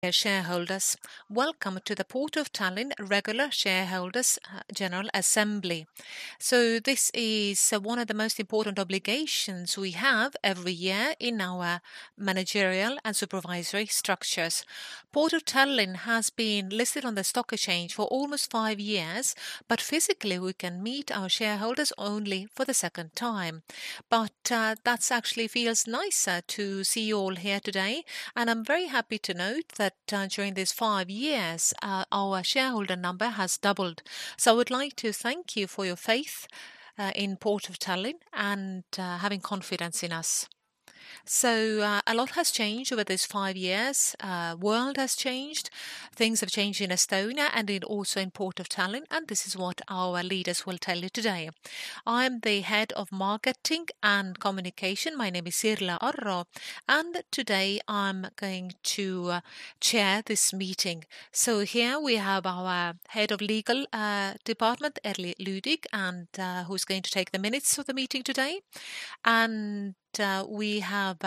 Dear shareholders, welcome to the Port of Tallinn regular shareholders, general assembly. This is one of the most important obligations we have every year in our managerial and supervisory structures. Port of Tallinn has been listed on the stock exchange for almost five years, physically we can meet our shareholders only for the second time. That's actually feels nicer to see you all here today, and I'm very happy to note that during these five years, our shareholder number has doubled. I would like to thank you for your faith in Port of Tallinn and having confidence in us. A lot has changed over these five years. World has changed, things have changed in Estonia and in also in Port of Tallinn, this is what our leaders will tell you today. I'm the Head of Marketing and Communication. My name is Sirle Arro, and today I'm going to chair this meeting. Here we have our Head of the Legal Department, Erly Lüdig, who's going to take the minutes of the meeting today. We have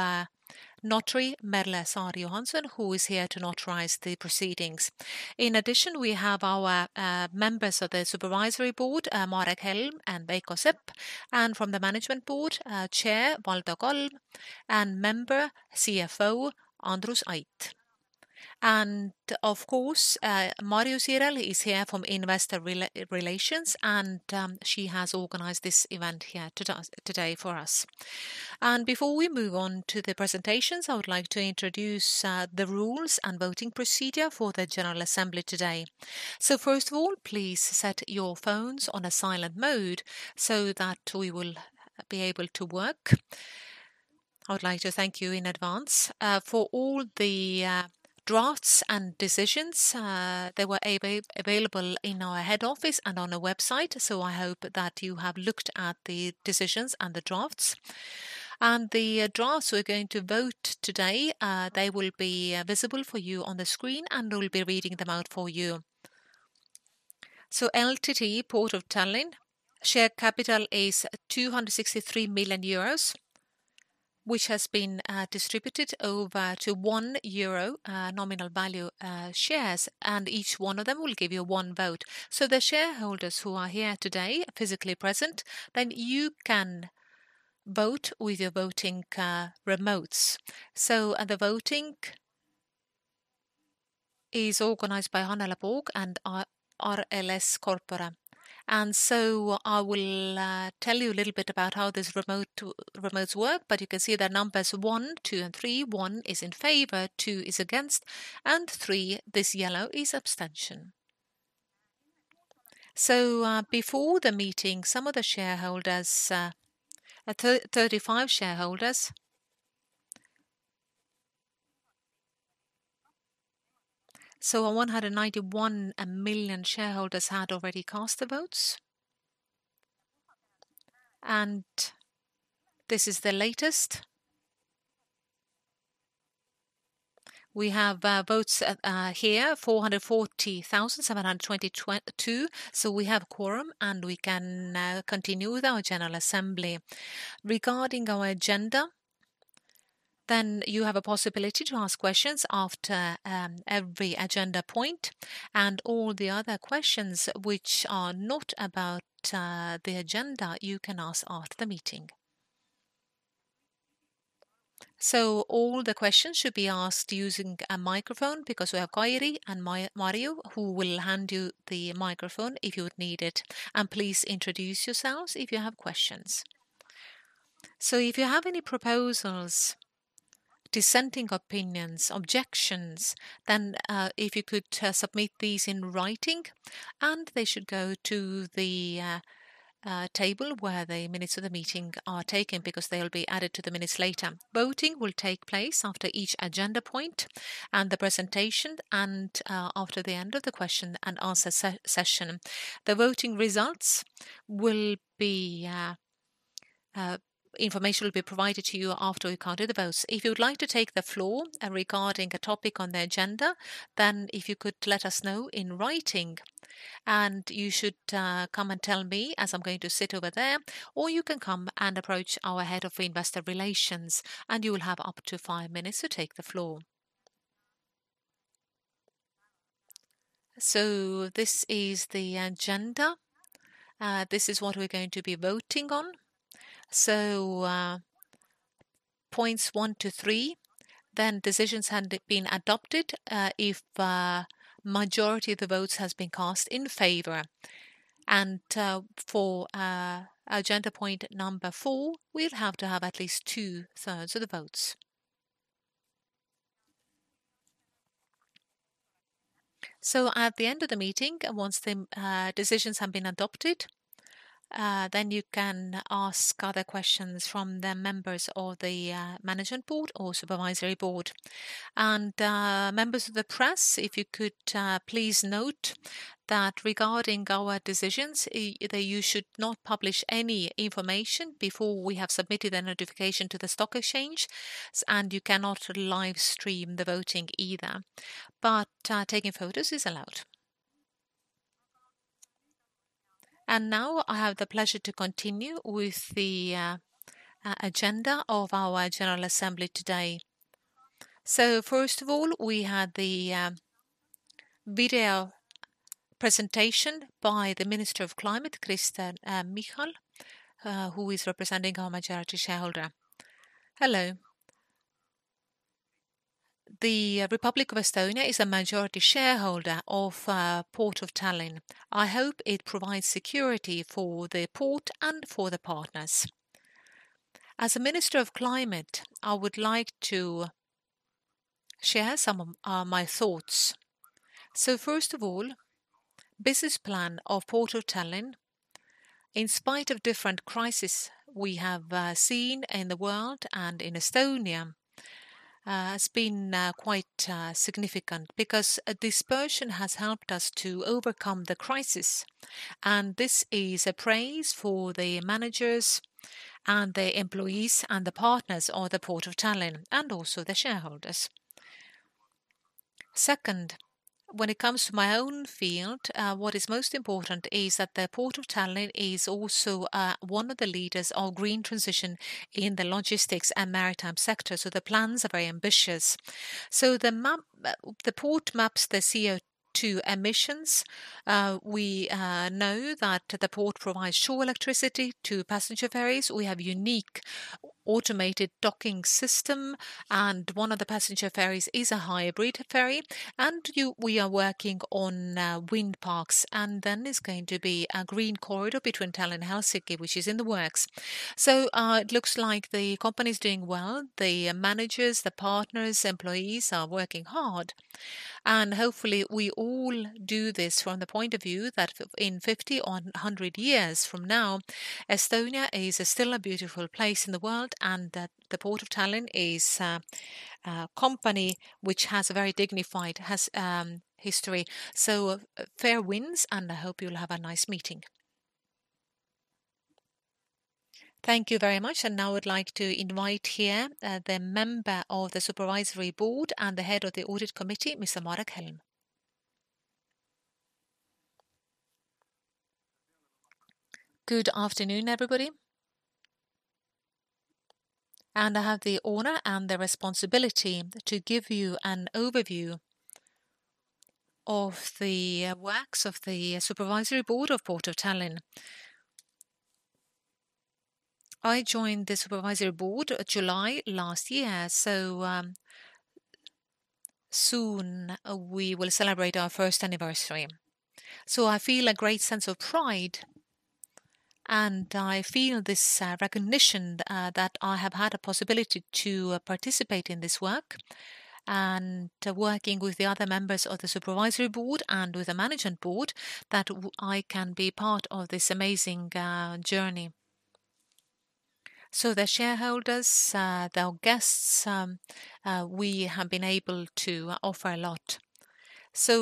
Notary Merle Saar-Johanson who is here to notarize the proceedings. In addition, we have our Members of the Supervisory Board, Marek Helm and Veiko Sepp. From the Management Board, Chairman Valdo Kalm and Member, CFO Andrus Ait. Of course, Marju Zirel is here from Investor Relations, and she has organized this event here today for us. Before we move on to the presentations, I would like to introduce the rules and voting procedure for the General Assembly today. First of all, please set your phones on a silent mode so that we will be able to work. I would like to thank you in advance for all the drafts and decisions. They were available in our head office and on our website, so I hope that you have looked at the decisions and the drafts. The drafts we're going to vote today, they will be visible for you on the screen, and we'll be reading them out for you. So LTT Port Of Tallinn share capital is 263 million euros, which has been distributed over to 1 euro nominal value shares, and each one of them will give you one vote. The shareholders who are here today, physically present, then you can vote with your voting remotes. The voting is organized by Hannele Pokk and RLS Corpora. I will tell you a little bit about how these remotes work, but you can see their numbers one, two, and three. One is in favor, two is against, and three, this yellow, is abstention. Before the meeting, some of the shareholders, 35 shareholders. 191 million shareholders had already cast their votes, and this is the latest. We have votes here, 440,722 we have quorum, and we can continue with our general assembly. Regarding our agenda, you have a possibility to ask questions after every agenda point, and all the other questions which are not about the agenda, you can ask after the meeting. All the questions should be asked using a microphone because we have Kairi and Marju who will hand you the microphone if you would need it. Please introduce yourselves if you have questions. If you have any proposals, dissenting opinions, objections, then if you could submit these in writing, and they should go to the table where the minutes of the meeting are taken because they'll be added to the minutes later. Voting will take place after each agenda point and the presentation and after the end of the question and answer session. The voting results will be provided to you after we counted the votes. If you would like to take the floor, regarding a topic on the agenda, then if you could let us know in writing. You should come and tell me as I'm going to sit over there, or you can come and approach our Head of Investor Relations, and you will have up to five minutes to take the floor. This is the agenda. This is what we're going to be voting on. Points one to three, then decisions have been adopted, if majority of the votes has been cast in favor. For agenda point number four, we'll have to have at least 2/3 of the votes. At the end of the meeting, once the decisions have been adopted, then you can ask other questions from the members of the management board or supervisory board. Members of the press, if you could please note that regarding our decisions, you should not publish any information before we have submitted a notification to the stock exchange, and you cannot live stream the voting either. Taking photos is allowed. Now I have the pleasure to continue with the agenda of our general assembly today. First of all, we had the video presentation by the Minister of Climate, Kristen Michal, who is representing our majority shareholder. Hello. The Republic of Estonia is a majority shareholder of Port of Tallinn. I hope it provides security for the port and for the partners. As a Minister of Climate, I would like to share some of my thoughts. First of all, business plan of Port of Tallinn. In spite of different crisis we have seen in the world and in Estonia, has been quite significant because this version has helped us to overcome the crisis. This is a praise for the managers and the employees and the partners of the Port of Tallinn and also the shareholders. Second, when it comes to my own field, what is most important is that the Port of Tallinn is also one of the leaders of green transition in the logistics and maritime sector. The plans are very ambitious. The Port maps this year to emissions. We know that the Port provides shore electricity to passenger ferries. We have unique automated docking system, and one of the passenger ferries is a hybrid ferry. We are working on wind parks, and then there's going to be a green corridor between Tallinn and Helsinki, which is in the works. It looks like the company's doing well. The managers, the partners, employees are working hard, and hopefully we all do this from the point of view that in 50 or 100 years from now, Estonia is still a beautiful place in the world and that the Port of Tallinn is, a company which has a very dignified, has history. Fair winds, and I hope you'll have a nice meeting. Thank you very much. Now I'd like to invite here, the member of the supervisory board and the head of the audit committee, Ms. Marek Helm. Good afternoon, everybody. I have the honor and the responsibility to give you an overview of the works of the Supervisory Board of Port of Tallinn. I joined the Supervisory Board July last year, soon we will celebrate our first anniversary. I feel a great sense of pride, and I feel this recognition that I have had a possibility to participate in this work and working with the other members of the Supervisory Board and with the Management Board that I can be part of this amazing journey. The shareholders, the guests, we have been able to offer a lot.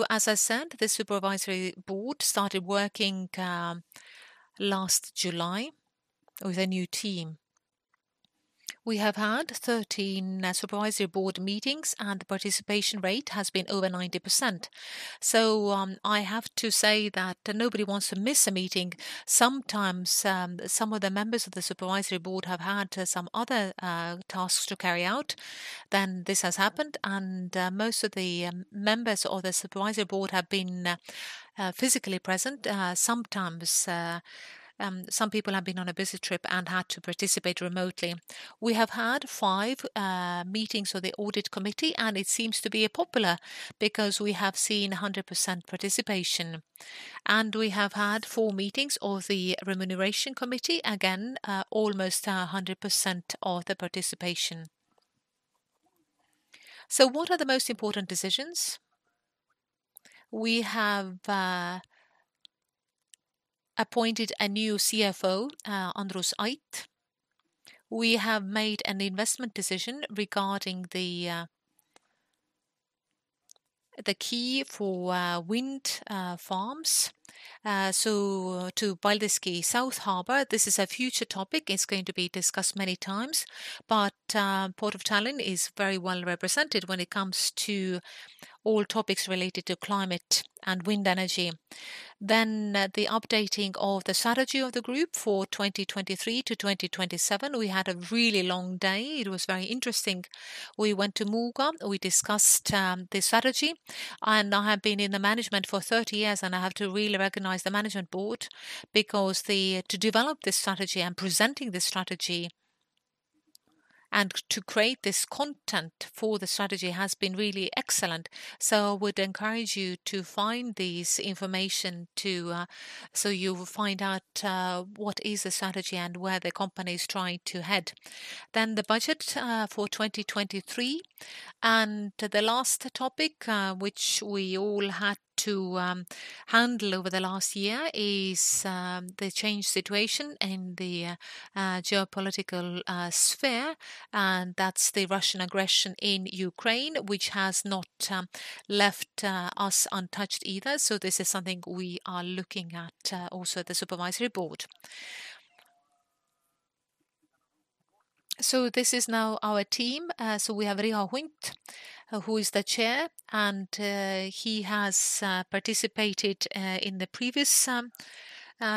As I said, the Supervisory Board started working last July with a new team. We have had 13 Supervisory Board meetings, and the participation rate has been over 90%. I have to say that nobody wants to miss a meeting. Sometimes, some of the members of the Supervisory Board have had some other tasks to carry out. This has happened, and most of the members of the Supervisory Board have been physically present. Sometimes, some people have been on a busy trip and had to participate remotely. We have had five meetings of the Audit Committee, and it seems to be popular because we have seen 100% participation. We have had four meetings of the Remuneration Committee, again, almost 100% of the participation. What are the most important decisions? We have appointed a new CFO, Andrus Ait. We have made an investment decision regarding the key for wind farms, so to Paldiski South Harbor. This is a future topic. It is going to be discussed many times. Port of Tallinn is very well represented when it comes to all topics related to climate and wind energy. The updating of the strategy of the group for 2023 to 2027. We had a really long day. It was very interesting. We went to Muuga. We discussed the strategy. I have been in the management for 30 years, and I have to really recognize the Management Board because to develop this strategy and presenting this strategy and to create this content for the strategy has been really excellent. I would encourage you to find this information to so you will find out what is the strategy and where the company's trying to head. The budget for 2023. The last topic which we all had to handle over the last year is the changed situation in the geopolitical sphere, and that's the Russian aggression in Ukraine, which has not left us untouched either. This is something we are looking at also at the Supervisory Board. This is now our team. We have Riho Unt, who is the chair, and he has participated in the previous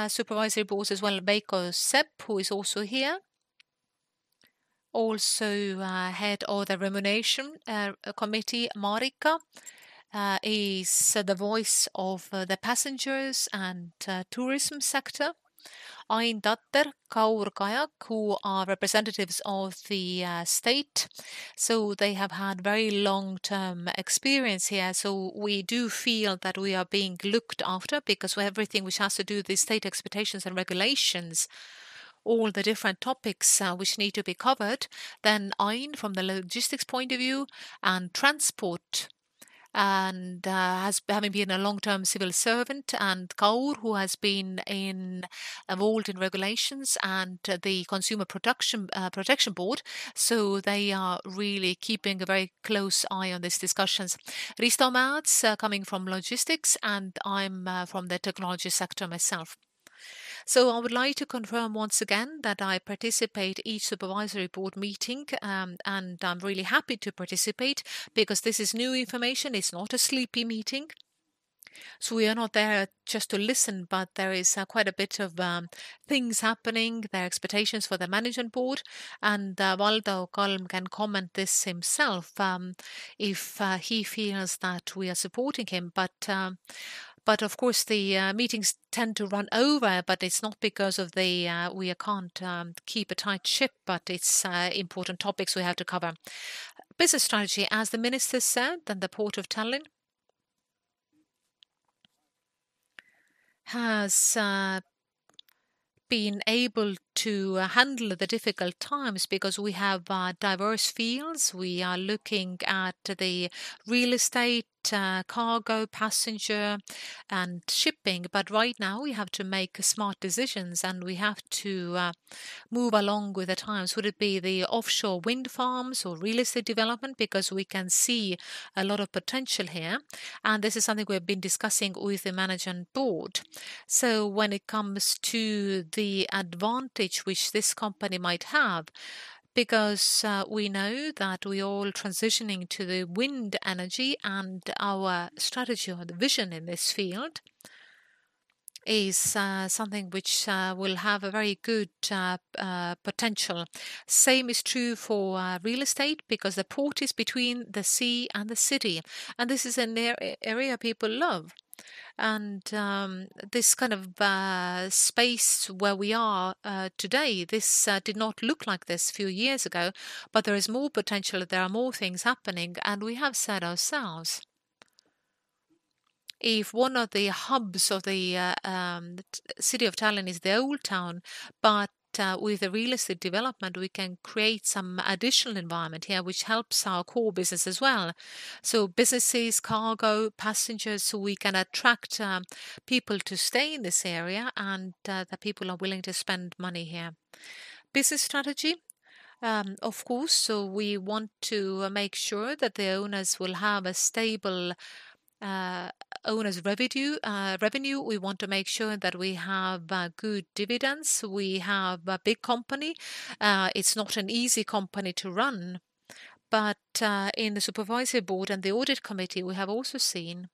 Supervisory Boards as well. Veiko Sepp, who is also here. Also, head of the Remuneration Committee. Maarika is the voice of the passengers and tourism sector. Ain Tatter, Kaur Kajak, who are representatives of the state. They have had very long-term experience here. We do feel that we are being looked after because everything which has to do with the state expectations and regulations, all the different topics which need to be covered. Ain from the logistics point of view and transport, and having been a long-term civil servant, and Kaur, who has been involved in regulations and the Consumer Protection Board. They are really keeping a very close eye on these discussions. Risto Mäeots coming from logistics, and I'm from the technology sector myself. I would like to confirm once again that I participate each supervisory board meeting, and I'm really happy to participate because this is new information. It's not a sleepy meeting. We are not there just to listen, but there is quite a bit of things happening, their expectations for the management board. Valdo Kalm can comment this himself if he feels that we are supporting him. But of course, the meetings tend to run over, but it's not because of the we are can't keep a tight ship, but it's important topics we have to cover. Business strategy, as the minister said. The Port of Tallinn has been able to handle the difficult times because we have diverse fields. We are looking at the real estate, cargo, passenger, and shipping. Right now we have to make smart decisions, and we have to move along with the times. Would it be the offshore wind farms or real estate development? Because we can see a lot of potential here, and this is something we've been discussing with the Management Board. When it comes to the advantage which this company might have, because we know that we all transitioning to the wind energy and our strategy or the vision in this field is something which will have a very good potential. Same is true for real estate because the Port is between the sea and the city, and this is an area people love. This kind of space where we are today, this did not look like this few years ago, but there is more potential, there are more things happening. We have said ourselves, if one of the hubs of the City of Tallinn is the old town, with the real estate development, we can create some additional environment here which helps our core business as well. Businesses, cargo, passengers, we can attract people to stay in this area, the people are willing to spend money here. Business strategy, of course, we want to make sure that the owners will have a stable owner's revenue. We want to make sure that we have good dividends. We have a big company. It's not an easy company to run. In the supervisory board and the audit committee, we have also seen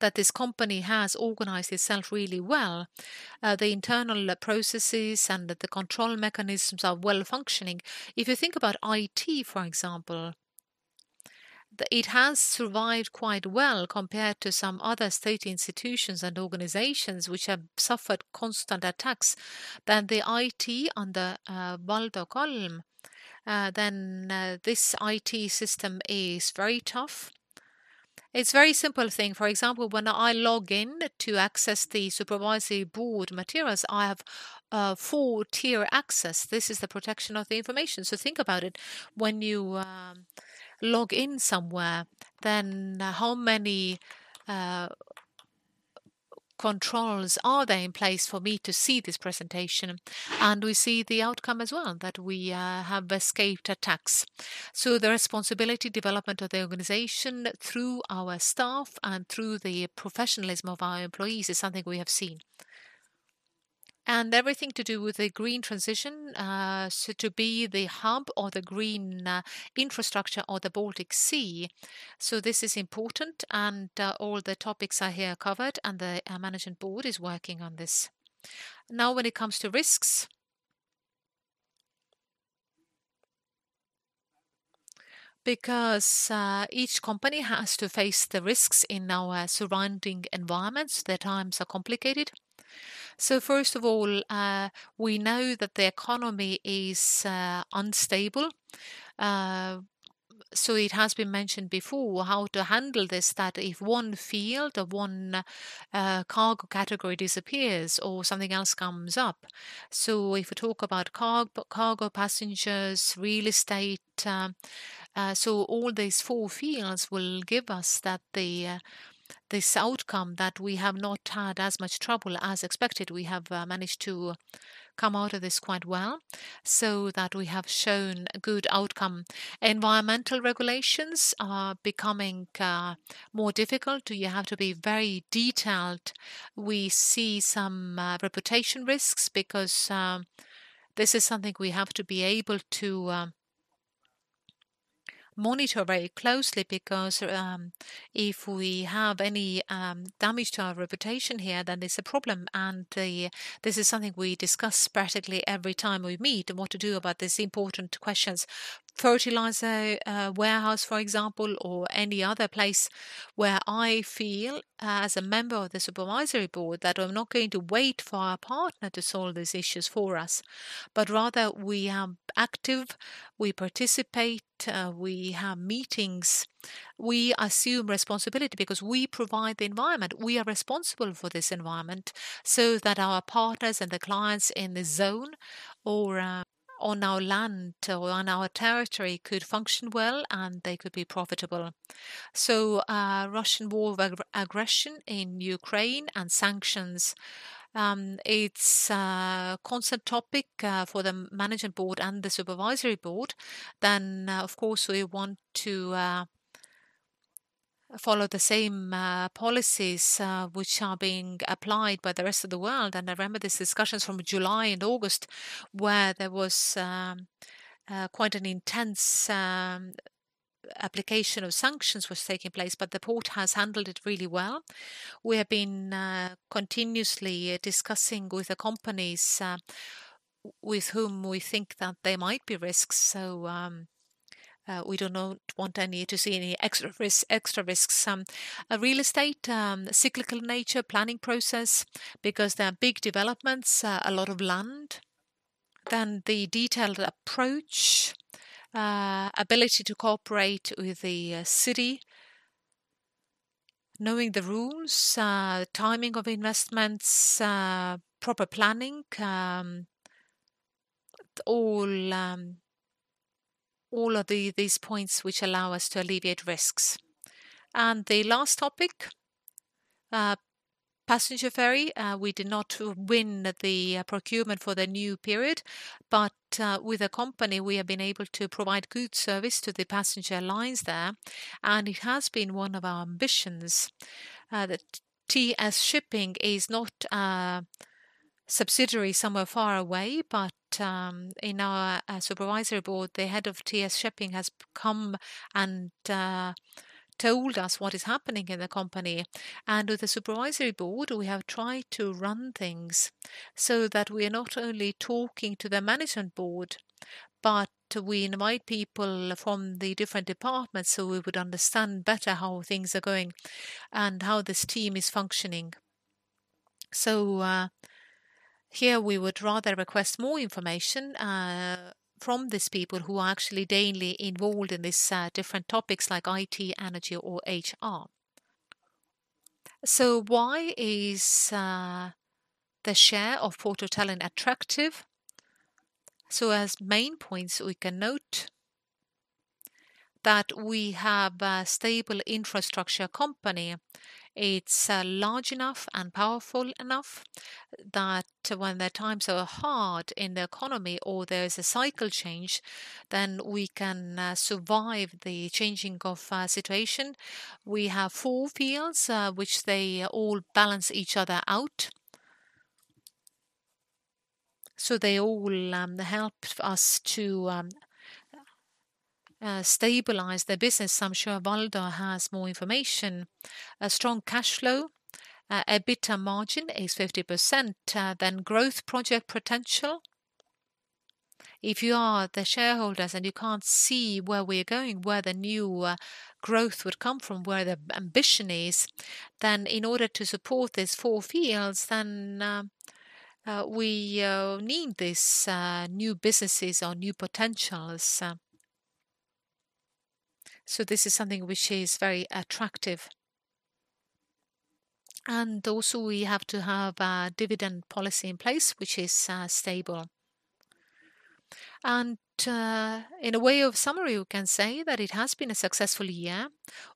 that this company has organized itself really well. The internal processes and the control mechanisms are well functioning. If you think about IT for example, it has survived quite well compared to some other state institutions and organizations which have suffered constant attacks. The IT under Valdo Kalm, this IT system is very tough. It's very simple thing. For example, when I log in to access the supervisory board materials, I have four-tier access. This is the protection of the information. Think about it. When you log in somewhere, how many controls are there in place for me to see this presentation? We see the outcome as well, that we have escaped attacks. The responsibility development of the organization through our staff and through the professionalism of our employees is something we have seen. Everything to do with the green transition, to be the hub or the green infrastructure of the Baltic Sea, this is important, all the topics are here covered, and the management board is working on this. When it comes to risks, each company has to face the risks in our surrounding environments, the times are complicated. First of all, we know that the economy is unstable. It has been mentioned before how to handle this, that if one field or one cargo category disappears or something else comes up. If we talk about cargo, passengers, real estate, all these four fields will give us that this outcome that we have not had as much trouble as expected. We have managed to come out of this quite well, so that we have shown good outcome. Environmental regulations are becoming more difficult. You have to be very detailed. We see some reputation risks, because this is something we have to be able to monitor very closely, because if we have any damage to our reputation here, then it's a problem. This is something we discuss practically every time we meet, what to do about these important questions. Fertilizer warehouse for example, or any other place where I feel, as a member of the Supervisory Board, that I'm not going to wait for our partner to solve these issues for us. Rather we are active, we participate, we have meetings, we assume responsibility because we provide the environment. We are responsible for this environment so that our partners and the clients in the zone or on our land or on our territory could function well, and they could be profitable. Russian war of aggression in Ukraine and sanctions, it's a constant topic for the management board and the supervisory board. We want to follow the same policies which are being applied by the rest of the world. I remember these discussions from July and August where there was quite an intense application of sanctions was taking place, but the port has handled it really well. We have been continuously discussing with the companies with whom we think that there might be risks. We do not want to see any extra risks. A real estate cyclical nature planning process because there are big developments, a lot of land. The detailed approach, ability to cooperate with the city, knowing the rules, timing of investments, proper planning, all of these points which allow us to alleviate risks. The last topic, passenger ferry. We did not win the procurement for the new period, but with the company, we have been able to provide good service to the passenger lines there, and it has been one of our ambitions. The TS Shipping is not a subsidiary somewhere far away, but in our Supervisory Board, the head of TS Shipping has come and told us what is happening in the company. With the supervisory board, we have tried to run things so that we're not only talking to the management board, but we invite people from the different departments, so we would understand better how things are going and how this team is functioning. Here we would rather request more information from these people who are actually daily involved in these different topics like IT, Energy, or HR. Why is the share of Port of Tallinn attractive? As main points, we can note that we have a stable infrastructure company. It's large enough and powerful enough that when the times are hard in the economy or there's a cycle change, then we can survive the changing of situation. We have four fields which they all balance each other out. They all help us to stabilize the business. I'm sure Valdo has more information. A strong cash flow, EBITDA margin is 50%, then growth project potential. If you are the shareholders and you can't see where we're going, where the new growth would come from, where the ambition is, then in order to support these four fields, then we need these new businesses or new potentials. This is something which is very attractive. Also, we have to have a dividend policy in place which is stable. In a way of summary, we can say that it has been a successful year,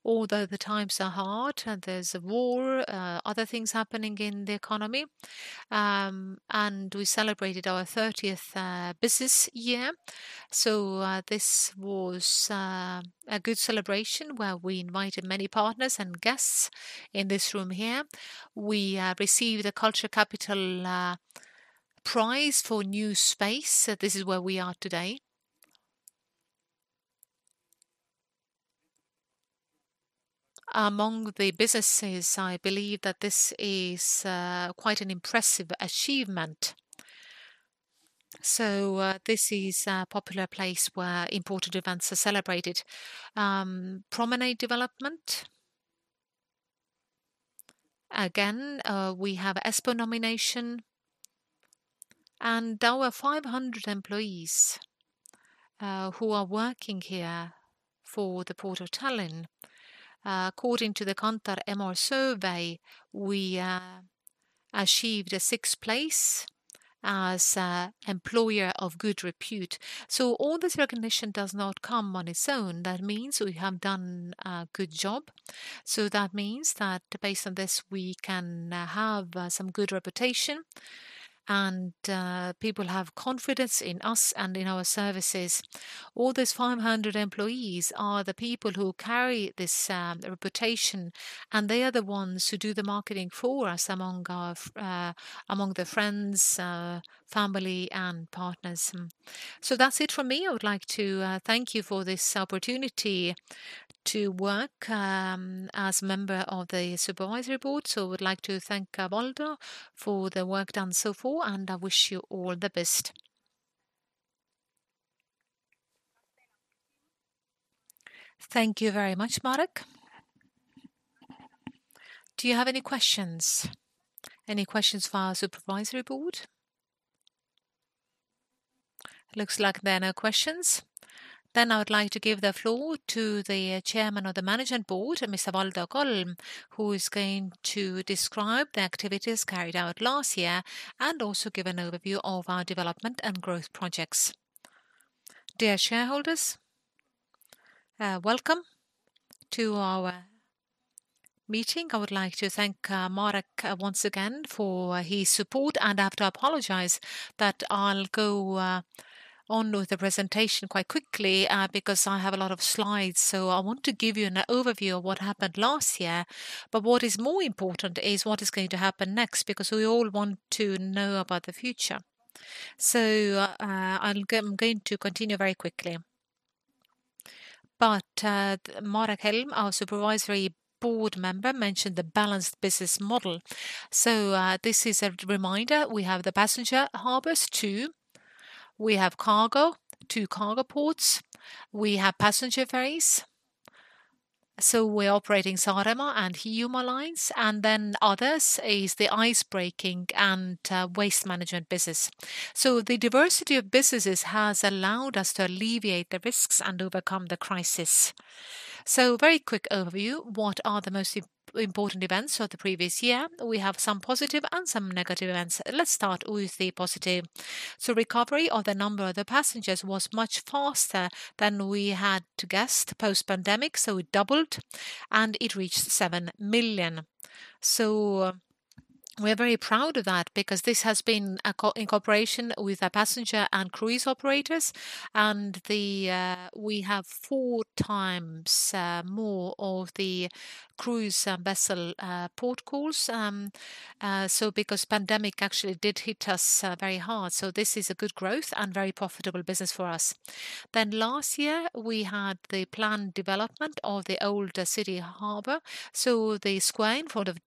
although the times are hard and there's a war, other things happening in the economy. We celebrated our 30th business year. This was a good celebration where we invited many partners and guests in this room here. We received a culture capital prize for new space. This is where we are today. Among the businesses, I believe that this is quite an impressive achievement. This is a popular place where important events are celebrated. Promenade development. We have ESPO nomination. Our 500 employees who are working here for the Port of Tallinn, according to the Kantar Emor survey, we achieved a sixth place as an employer of good repute. All this recognition does not come on its own. That means we have done a good job. That means that based on this, we can have some good reputation and people have confidence in us and in our services. All these 500 employees are the people who carry this reputation, and they are the ones who do the marketing for us among our among their friends, family, and partners. That's it from me. I would like to thank you for this opportunity to work as member of the supervisory board. I would like to thank Valdo for the work done so far, and I wish you all the best. Thank you very much, Marek. Do you have any questions? Any questions for our supervisory board? Looks like there are no questions. I would like to give the floor to the Chairman of the Management Board, Mr. Valdo Kalm, who is going to describe the activities carried out last year, and also give an overview of our development and growth projects. Dear shareholders, welcome to our meeting. I would like to thank Marek once again for his support, and I have to apologize that I'll go on with the presentation quite quickly because I have a lot of slides. I want to give you an overview of what happened last year. What is more important is what is going to happen next, because we all want to know about the future. I'm going to continue very quickly. Marek Helm, our supervisory board member, mentioned the balanced business model. This is a reminder. We have the passenger harbors too. We have cargo, two cargo ports. We have passenger ferries, so we're operating Saaremaa and Hiiumaa lines. Others is the icebreaking and waste management business. The diversity of businesses has allowed us to alleviate the risks and overcome the crisis. Very quick overview, what are the most important events of the previous year? We have some positive and some negative events. Let's start with the positive. Recovery of the number of the passengers was much faster than we had to guess post pandemic, so it doubled, and it reached 7 million. We're very proud of that because this has been in cooperation with our passenger and cruise operators and we have 4x more of the cruise vessel port calls. Because pandemic actually did hit us very hard, so this is a good growth and very profitable business for us. Last year we had the planned development of the Old City Harbour, so the Square, front of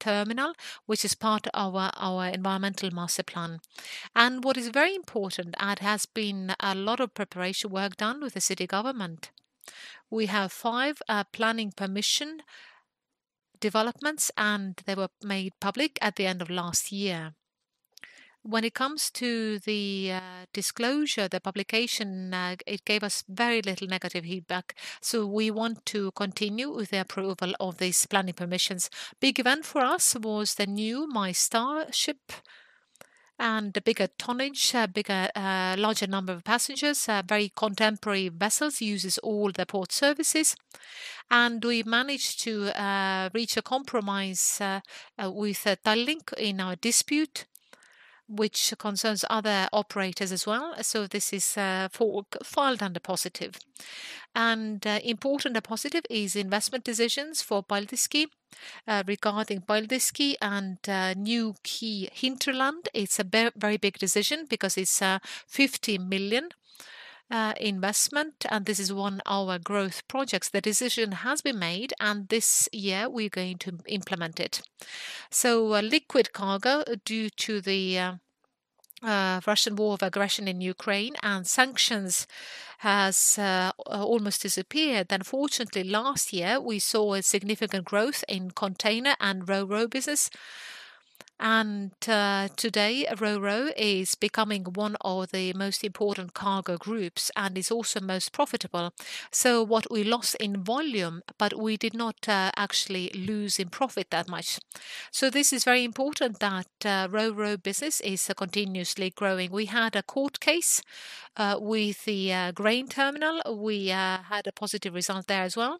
D-Terminal, which is part of our environmental master plan. What is very important, and has been a lot of preparation work done with the city government. We have five planning permission developments, and they were made public at the end of last year. When it comes to the disclosure, the publication, it gave us very little negative feedback, so we want to continue with the approval of these planning permissions. Big event for us was the new MyStar ship and a bigger tonnage, a bigger, larger number of passengers, a very contemporary vessels, uses all the port services. We managed to reach a compromise with Tallink in our dispute, which concerns other operators as well. This is for filed under positive. Important and positive is investment decisions for Paldiski, regarding Paldiski and new key hinterland. It's a very big decision because it's a 50 million investment, and this is one our growth projects. The decision has been made, this year we're going to implement it. Liquid cargo, due to the Russian war of aggression in Ukraine and sanctions, has almost disappeared. Fortunately last year, we saw a significant growth in container and Ro-Ro business. Today, Ro-Ro is becoming one of the most important cargo groups and is also most profitable. What we lost in volume, but we did not actually lose in profit that much. This is very important that Ro-Ro business is continuously growing. We had a court case with the grain terminal. We had a positive result there as well.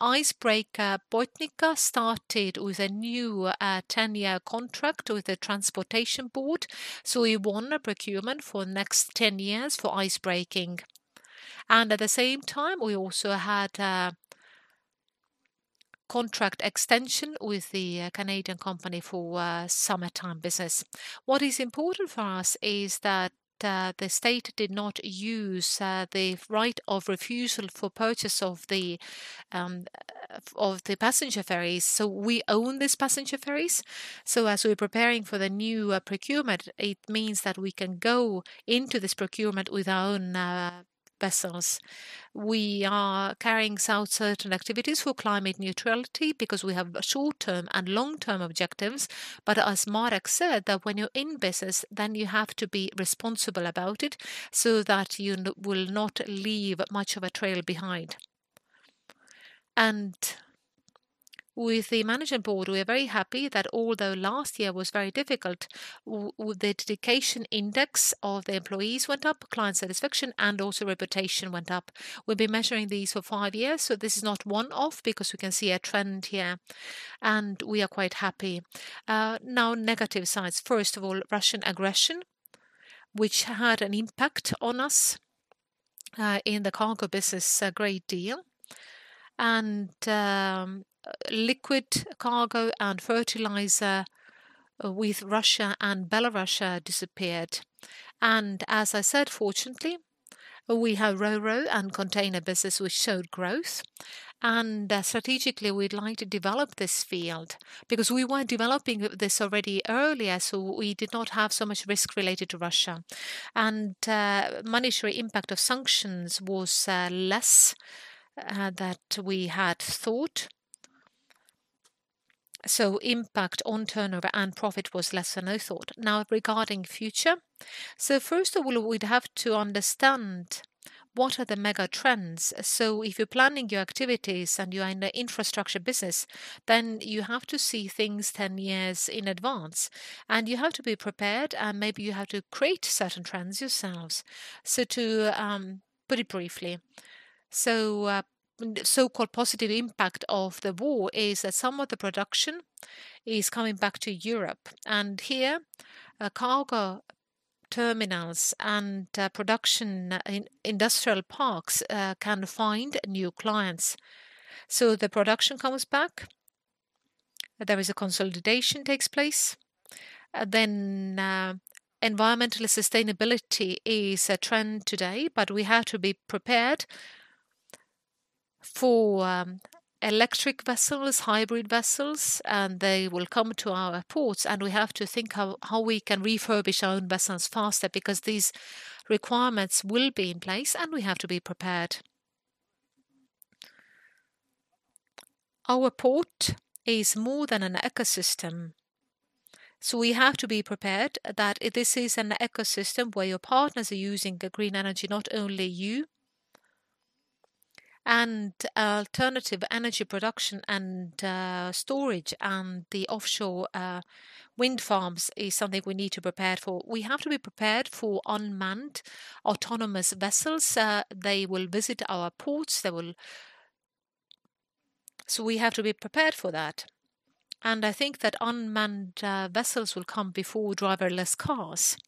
Icebreaker Botnica started with a new 10-year contract with the transportation board. We won a procurement for next 10 years for icebreaking. At the same time, we also had a contract extension with the Canadian company for summertime business. What is important for us is that the state did not use the right of refusal for purchase of the passenger ferries. We own this passenger ferries. As we're preparing for the new procurement, it means that we can go into this procurement with our own vessels. We are carrying out certain activities for climate neutrality because we have short-term and long-term objectives. As Marek said, that when you're in business, then you have to be responsible about it so that you will not leave much of a trail behind. With the Management Board, we are very happy that although last year was very difficult, with the dedication index of the employees went up, client satisfaction, and also reputation went up. We've been measuring these for five years, this is not one-off because we can see a trend here, we are quite happy. Now negative sides. First of all, Russian aggression, which had an impact on us in the cargo business a great deal. Liquid cargo and fertilizer with Russia and Belarus disappeared. As I said, fortunately, we have Ro-Ro and container business which showed growth. Strategically, we'd like to develop this field because we were developing this already earlier, we did not have so much risk related to Russia. Monetary impact of sanctions was less that we had thought. Impact on turnover and profit was less than I thought. Regarding future, first of all, we'd have to understand what are the mega trends. If you're planning your activities and you are in the infrastructure business, then you have to see things 10 years in advance, and you have to be prepared, and maybe you have to create certain trends yourselves. To put it briefly, so-called positive impact of the war is that some of the production is coming back to Europe, and here, cargo terminals and production in industrial parks can find new clients. The production comes back. There is a consolidation takes place. Environmental sustainability is a trend today, but we have to be prepared for electric vessels, hybrid vessels, and they will come to our ports, and we have to think how we can refurbish our own vessels faster because these requirements will be in place, and we have to be prepared. Our port is more than an ecosystem, so we have to be prepared that this is an ecosystem where your partners are using green energy, not only you. Alternative energy production and storage and the offshore wind farms is something we need to prepare for. We have to be prepared for unmanned autonomous vessels. They will visit our ports. We have to be prepared for that. I think that unmanned vessels will come before driverless cars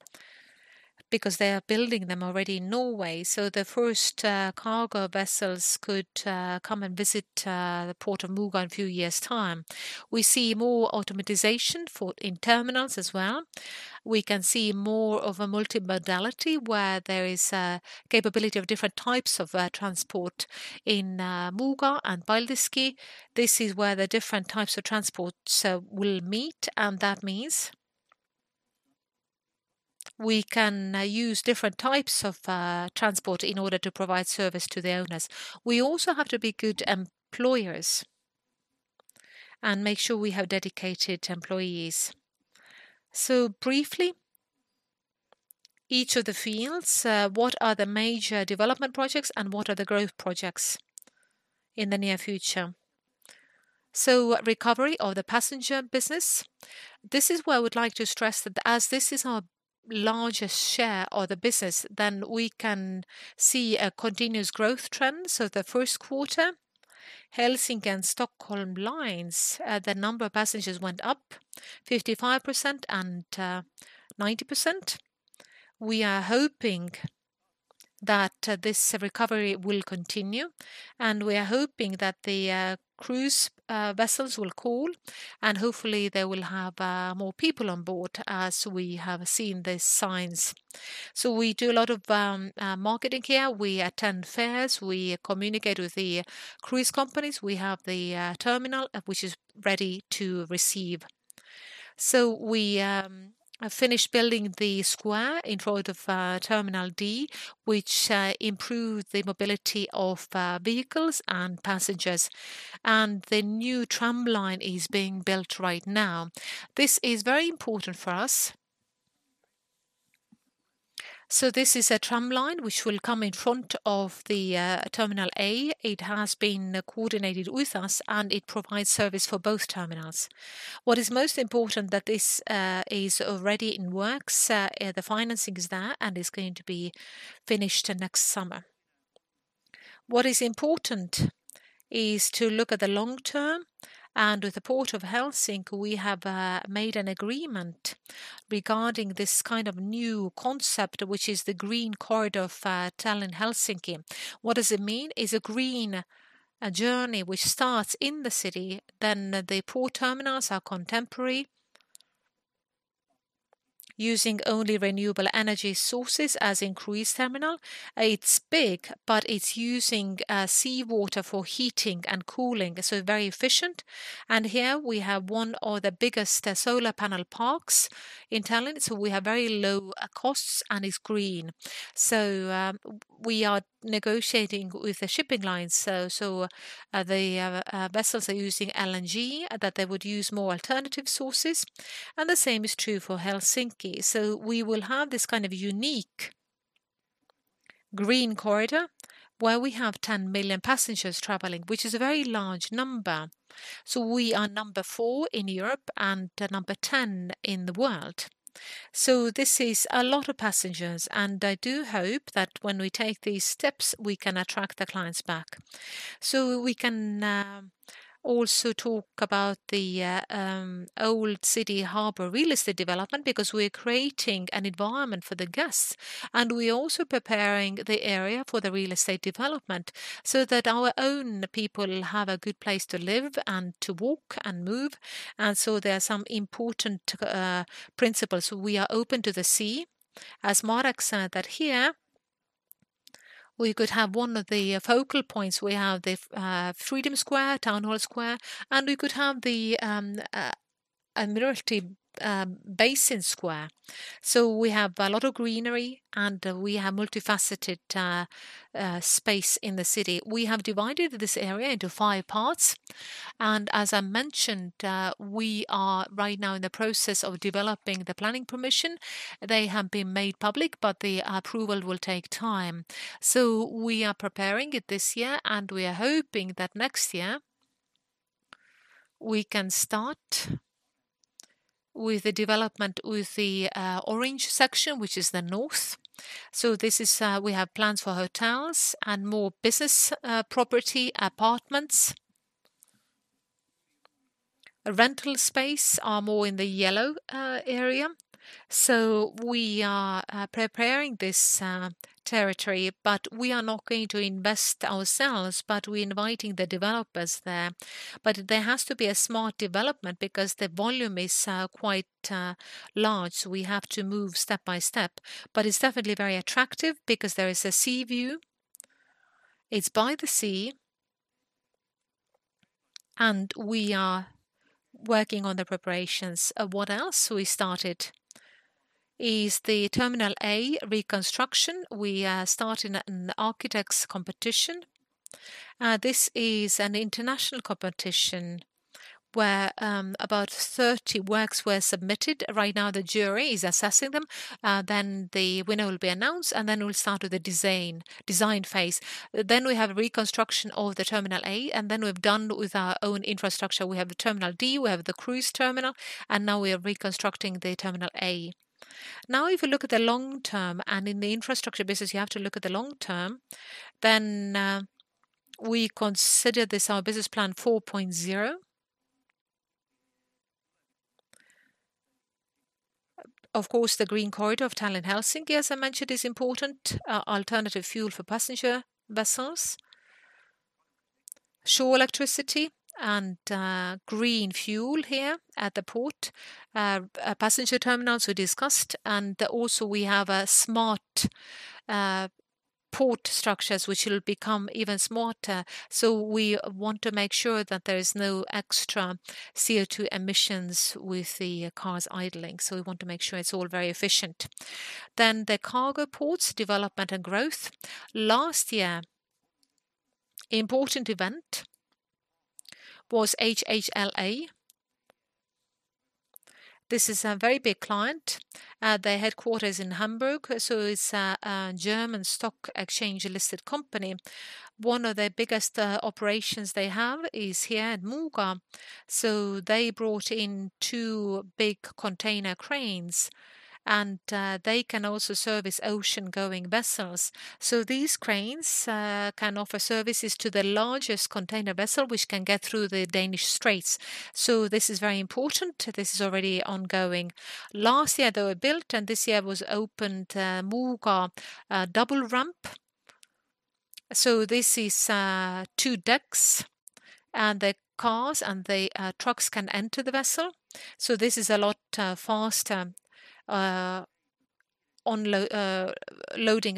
because they are building them already in Norway. The first cargo vessels could come and visit the Port of Muuga in few years' time. We see more automatization in terminals as well. We can see more of a multimodality where there is a capability of different types of transport in Muuga and Paldiski. This is where the different types of transport will meet, and that means we can use different types of transport in order to provide service to the owners. We also have to be good employers and make sure we have dedicated employees. Briefly, each of the fields, what are the major development projects and what are the growth projects in the near future? Recovery of the passenger business, this is where I would like to stress that as this is our largest share of the business, then we can see a continuous growth trend. The first quarter, Helsinki and Stockholm lines, the number of passengers went up 55% and 90%. We are hoping that this recovery will continue, and we are hoping that the cruise vessels will call, and hopefully they will have more people on board as we have seen the signs. We do a lot of marketing here. We attend fairs. We communicate with the cruise companies. We have the terminal which is ready to receive. We have finished building the Square in front of Terminal-D, which improved the mobility of vehicles and passengers, and the new tramline is being built right now. This is very important for us. This is a tramline which will come in front of the Terminal-A. It has been coordinated with us, and it provides service for both terminals. What is most important that this is already in works. The financing is there, and it's going to be finished next summer. What is important is to look at the long term, and with the Port of Helsinki, we have made an agreement regarding this kind of new concept, which is the green corridor for Tallinn-Helsinki. What does it mean? It's a green journey which starts in the city, then the port terminals are contemporary, using only renewable energy sources as in cruise terminal. It's big, but it's using seawater for heating and cooling, so very efficient. Here we have one of the biggest solar panel parks in Tallinn, so we have very low costs, and it's green. We are negotiating with the shipping lines, so the vessels are using LNG, that they would use more alternative sources, and the same is true for Helsinki. We will have this kind of unique green corridor where we have 10 million passengers traveling, which is a very large number. We are number four in Europe and number 10 in the world. This is a lot of passengers, and I do hope that when we take these steps, we can attract the clients back. We can also talk about the Old City Harbour real estate development because we're creating an environment for the guests, and we're also preparing the area for the real estate development so that our own people have a good place to live and to walk and move. There are some important principles. We are open to the sea. As Marek said, that we could have one of the focal points. We have the Freedom Square, Town Hall Square, and we could have the Admiralty Basin Square. We have a lot of greenery, and we have multifaceted space in the city. We have divided this area into five parts, and as I mentioned, we are right now in the process of developing the planning permission. They have been made public, but the approval will take time. We are preparing it this year, and we are hoping that next year we can start with the development with the orange section, which is the north. We have plans for hotels and more business property, apartments. Rental space are more in the yellow area. We are preparing this territory, but we are not going to invest ourselves, but we're inviting the developers there. There has to be a smart development because the volume is quite large. We have to move step by step. It's definitely very attractive because there is a sea view. It's by the sea. We are working on the preparations. What else we started is the Terminal-A reconstruction. We are starting an architect's competition. This is an international competition where about 30 works were submitted. Right now, the jury is assessing them. Then the winner will be announced, and then we'll start with the design phase. We have reconstruction of the Terminal-A, and then we've done with our own infrastructure. We have the Terminal-D, we have the cruise terminal, and now we are reconstructing the Terminal-A. If you look at the long term, and in the infrastructure business you have to look at the long term, then we consider this our business plan 4.0. Of course, the green corridor of Tallinn-Helsinki, as I mentioned, is important. Alternative fuel for passenger vessels, shore electricity, and green fuel here at the port. Passenger terminals we discussed. Also we have a smart port structures which will become even smarter. We want to make sure that there is no extra CO2 emissions with the cars idling, we want to make sure it's all very efficient. The cargo ports development and growth. Last year, important event was HHLA. This is a very big client. Their headquarters in Hamburg, it's a German stock exchange-listed company. One of their biggest operations they have is here at Muuga. They brought in two big container cranes, and they can also service ocean-going vessels. These cranes can offer services to the largest container vessel which can get through the Danish Straits. This is very important. This is already ongoing. Last year they were built, and this year was opened, Muuga double ramp. This is two decks, and the cars and the trucks can enter the vessel. This is a lot faster loading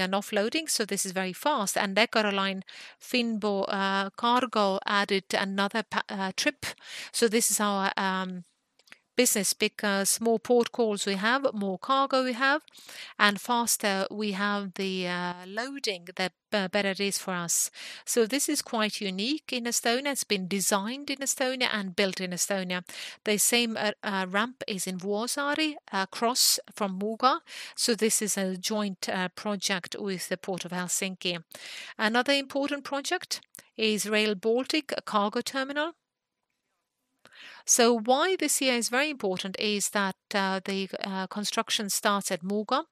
and offloading, so this is very fast. Eckerö Line Finbo Cargo added another trip. This is our business because more port calls we have, more cargo we have, and faster we have the loading, the better it is for us. This is quite unique in Estonia. It's been designed in Estonia and built in Estonia. The same ramp is in Vuosaari, across from Muuga, so this is a joint project with the Port of Helsinki. Another important project is Rail Baltic Cargo Terminal. Why this year is very important is that the construction starts at Muuga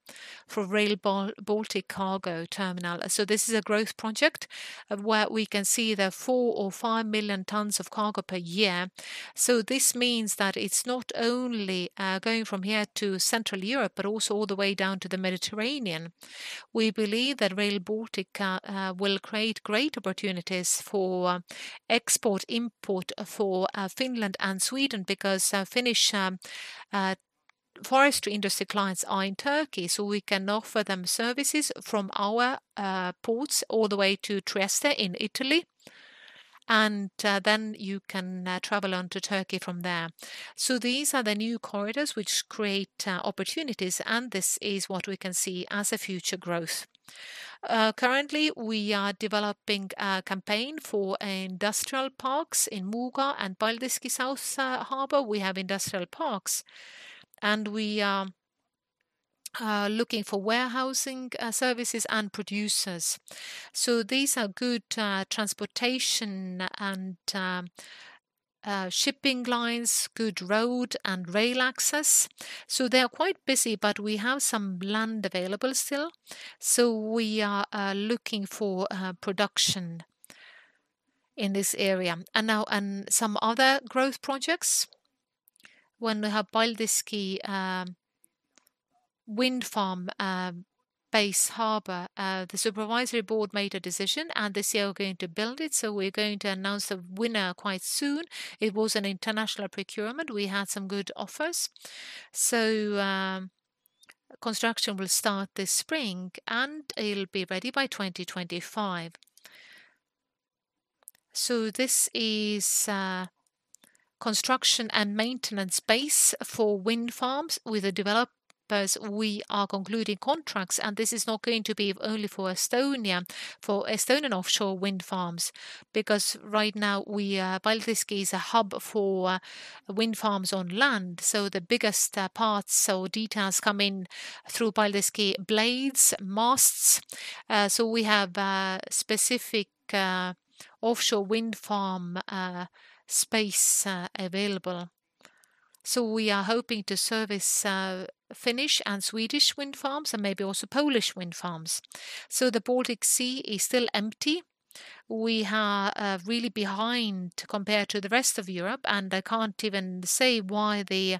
for Rail Baltica Cargo Terminal. This is a growth project where we can see 4 million or 5 million tons of cargo per year. This means that it is not only going from here to Central Europe, but also all the way down to the Mediterranean. We believe that Rail Baltica will create great opportunities for export, import for Finland and Sweden because Finnish forestry industry clients are in Turkey, so we can offer them services from our ports all the way to Trieste in Italy, and then you can travel on to Turkey from there. These are the new corridors which create opportunities, and this is what we can see as a future growth. Currently, we are developing a campaign for industrial parks in Muuga and Paldiski South Harbor. We have industrial parks, we are looking for warehousing services and producers. These are good transportation and shipping lines, good road and rail access. They are quite busy, but we have some land available still, we are looking for production in this area. Now, some other growth projects. When we have Paldiski wind farm base harbor, the Supervisory Board made a decision, this year we're going to build it, we're going to announce the winner quite soon. It was an international procurement. We had some good offers. Construction will start this spring, it'll be ready by 2025. This is construction and maintenance base for wind farms. With the developers, we are concluding contracts, and this is not going to be only for Estonia, for Estonian offshore wind farms because right now we Paldiski is a hub for wind farms on land. The biggest parts or details come in through Paldiski blades, masts. We have specific offshore wind farm space available. We are hoping to service Finnish and Swedish wind farms and maybe also Polish wind farms. The Baltic Sea is still empty. We are really behind compared to the rest of Europe, and I can't even say why the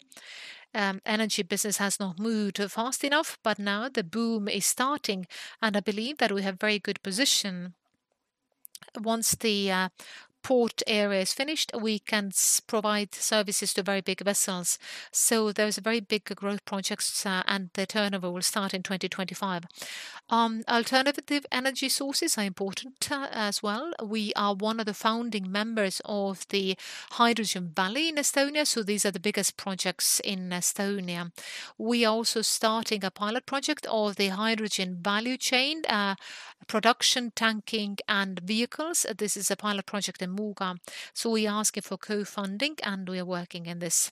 energy business has not moved fast enough. Now the boom is starting, and I believe that we have very good position. Once the port area is finished, we can provide services to very big vessels. There's a very big growth projects, and the turnover will start in 2025. Alternative energy sources are important as well. We are one of the founding members of the Hydrogen Valley in Estonia, these are the biggest projects in Estonia. We are also starting a pilot project of the hydrogen value chain, production, tanking, and vehicles. This is a pilot project in Muuga. We asking for co-funding, and we are working in this.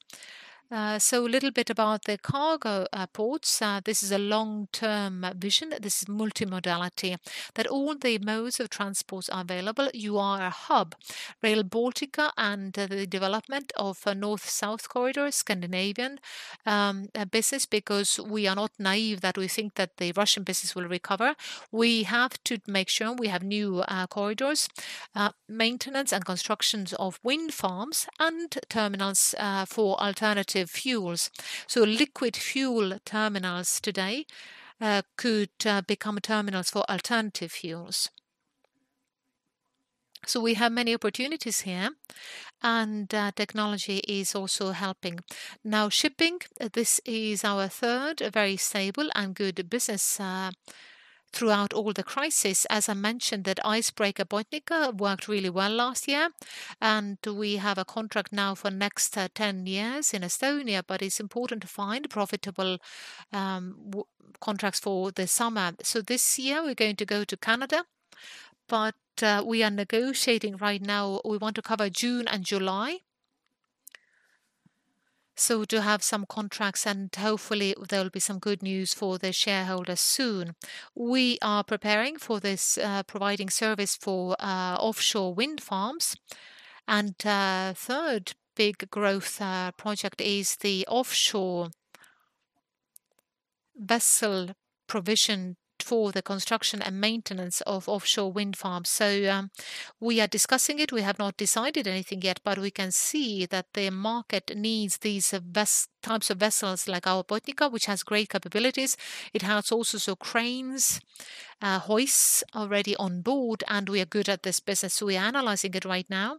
Little bit about the cargo ports. This is a long-term vision. This is multimodality, that all the modes of transports are available. You are a hub. Rail Baltica and the development of a north-south corridor Scandinavian business because we are not naive that we think that the Russian business will recover. We have to make sure we have new corridors, maintenance and constructions of wind farms and terminals for alternative fuels. Liquid fuel terminals today could become terminals for alternative fuels. We have many opportunities here, and technology is also helping. Now, shipping, this is our third very stable and good business throughout all the crisis. As I mentioned, that icebreaker Botnica worked really well last year, and we have a contract now for next 10 years in Estonia. It's important to find profitable contracts for the summer. This year we're going to go to Canada, but we are negotiating right now. We want to cover June and July. To have some contracts and hopefully there'll be some good news for the shareholders soon. We are preparing for this, providing service for offshore wind farms. Third big growth project is the offshore vessel provision for the construction and maintenance of offshore wind farms. We are discussing it. We have not decided anything yet, but we can see that the market needs these types of vessels like our Botnica, which has great capabilities. It has also so cranes, hoists already on board, and we are good at this business. We are analyzing it right now,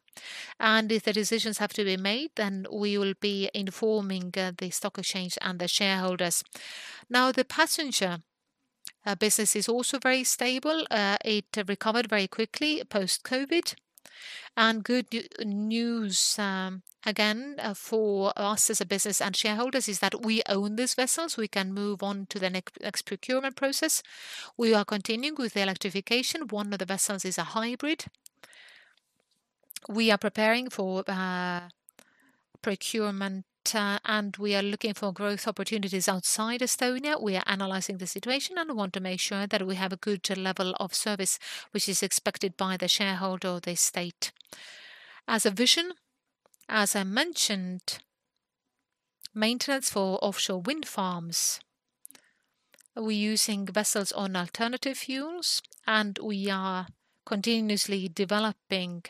and if the decisions have to be made, then we will be informing the stock exchange and the shareholders. The passenger business is also very stable. It recovered very quickly post-COVID. Good news, again, for us as a business and shareholders is that we own these vessels. We can move on to the next procurement process. We are continuing with the electrification. One of the vessels is a hybrid. We are preparing for procurement and we are looking for growth opportunities outside Estonia. We are analyzing the situation and want to make sure that we have a good level of service, which is expected by the shareholder or the state. As a vision, as I mentioned, maintenance for offshore wind farms. We are using vessels on alternative fuels, and we are continuously developing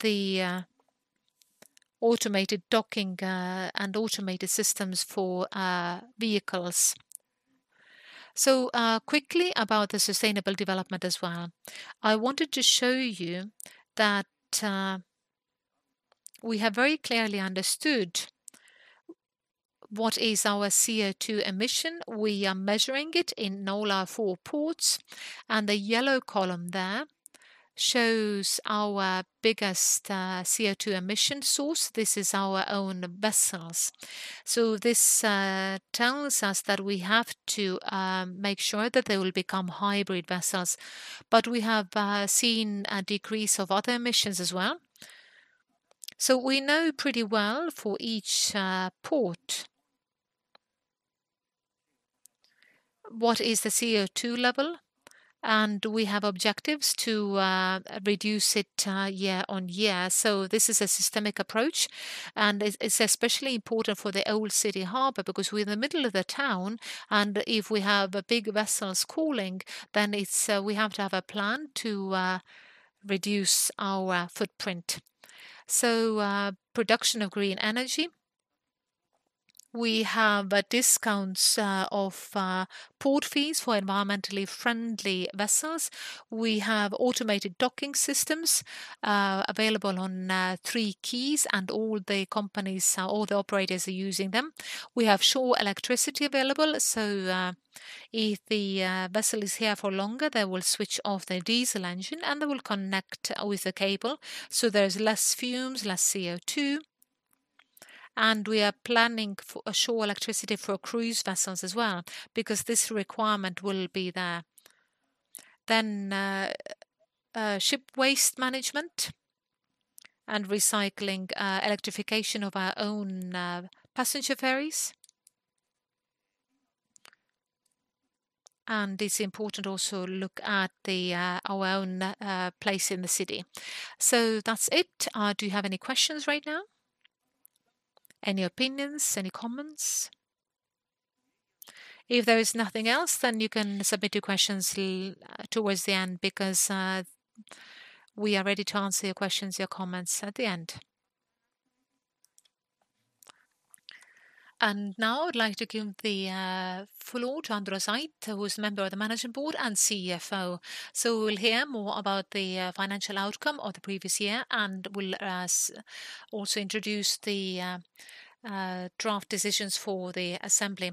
the automated docking and automated systems for vehicles. Quickly about the sustainable development as well. I wanted to show you that we have very clearly understood what is our CO2 emission. We are measuring it in all our four ports, and the yellow column there shows our biggest CO2 emission source. This is our own vessels. This tells us that we have to make sure that they will become hybrid vessels. We have seen a decrease of other emissions as well. We know pretty well for each port what is the CO2 level, and we have objectives to reduce it year-on-year. This is a systemic approach, and it's especially important for the Old City Harbour because we're in the middle of the town, and if we have big vessels calling, then it's we have to have a plan to reduce our footprint. Production of green energy. We have discounts of port fees for environmentally friendly vessels. We have automated docking systems available on three quays and all the companies, all the operators are using them. We have shore electricity available. If the vessel is here for longer, they will switch off their diesel engine and they will connect with the cable so there's less fumes, less CO2. We are planning for a shore electricity for cruise vessels as well because this requirement will be there. Ship waste management and recycling, electrification of our own passenger ferries. It's important also look at the our own place in the city. That's it. Do you have any questions right now? Any opinions? Any comments? If there is nothing else, you can submit your questions towards the end because we are ready to answer your questions, your comments at the end. Now I'd like to give the floor to Andrus Ait, who is a member of the management board and CFO. We'll hear more about the financial outcome of the previous year and we'll also introduce the draft decisions for the assembly.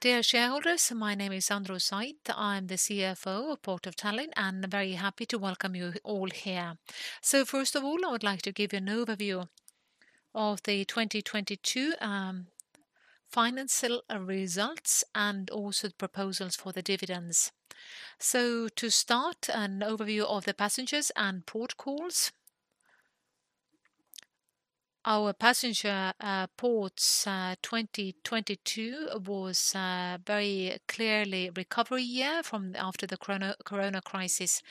Dear shareholders, my name is Andrus Ait. I'm the CFO of Port of Tallinn, and very happy to welcome you all here. First of all, I would like to give you an overview of the 2022 financial results and also the proposals for the dividends. To start, an overview of the passengers and port calls. Our passenger ports 2022 was very clearly recovery year from after the corona crisis.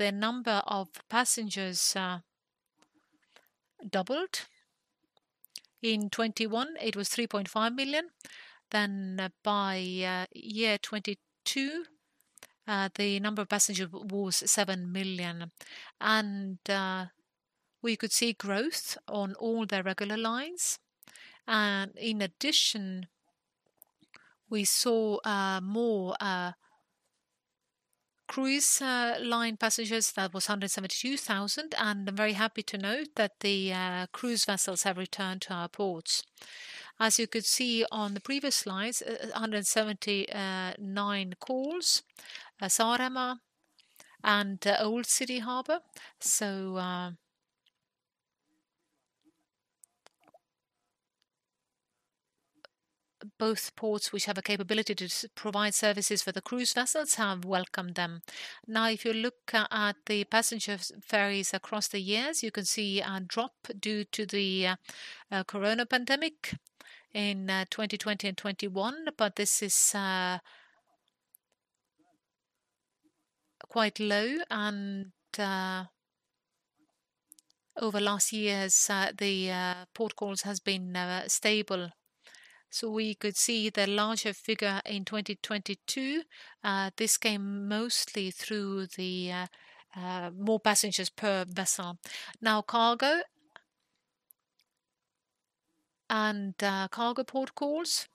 The number of passengers doubled. In 2021 it was 3.5 million. By year 2022, the number of passenger was 7 million. We could see growth on all the regular lines. In addition we saw more cruise line passengers. That was 172,000, and I'm very happy to note that the cruise vessels have returned to our ports. As you could see on the previous slides, 179 calls, Saaremaa and Old City Harbour. Both ports which have a capability to provide services for the cruise vessels have welcomed them. Now, if you look at the passenger ferries across the years, you can see a drop due to the corona pandemic in 2020 and 2021, this is quite low and over last years, the port calls has been stable. We could see the larger figure in 2022. This came mostly through the more passengers per vessel. Now cargo and cargo port calls.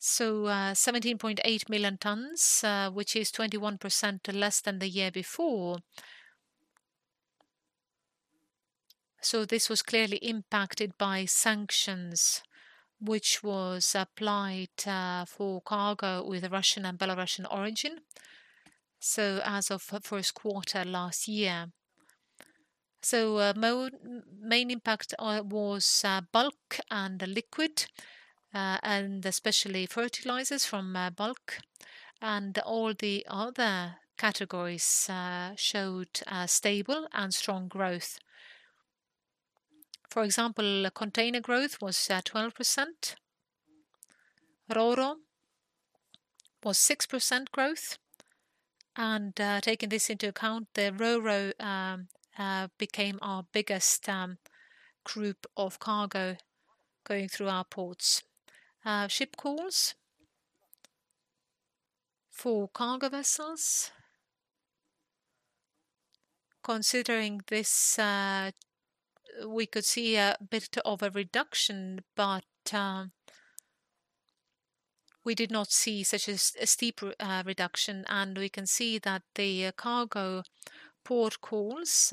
17.8 million tons, which is 21% less than the year before. This was clearly impacted by sanctions which was applied for cargo with the Russian and Belarusian origin, as of first quarter last year. Main impact was bulk and the liquid, and especially fertilizers from bulk, and all the other categories showed stable and strong growth. For example, container growth was 12%. Ro-Ro was 6% growth. Taking this into account, the Ro-Ro became our biggest group of cargo going through our ports. Ship calls for cargo vessels. Considering this, we could see a bit of a reduction, but we did not see such a steep reduction, and we can see that the cargo port calls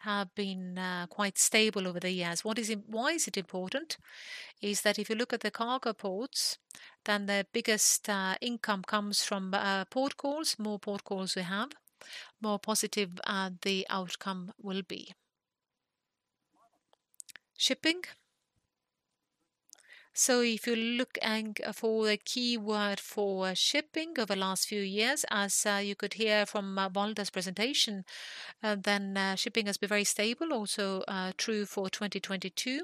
have been quite stable over the years. Why is it important is that if you look at the cargo ports, then the biggest income comes from port calls. More port calls we have, more positive the outcome will be. Shipping. If you look and for the keyword for shipping over the last few years, as you could hear from Valdo Kalm's presentation, then shipping has been very stable also true for 2022.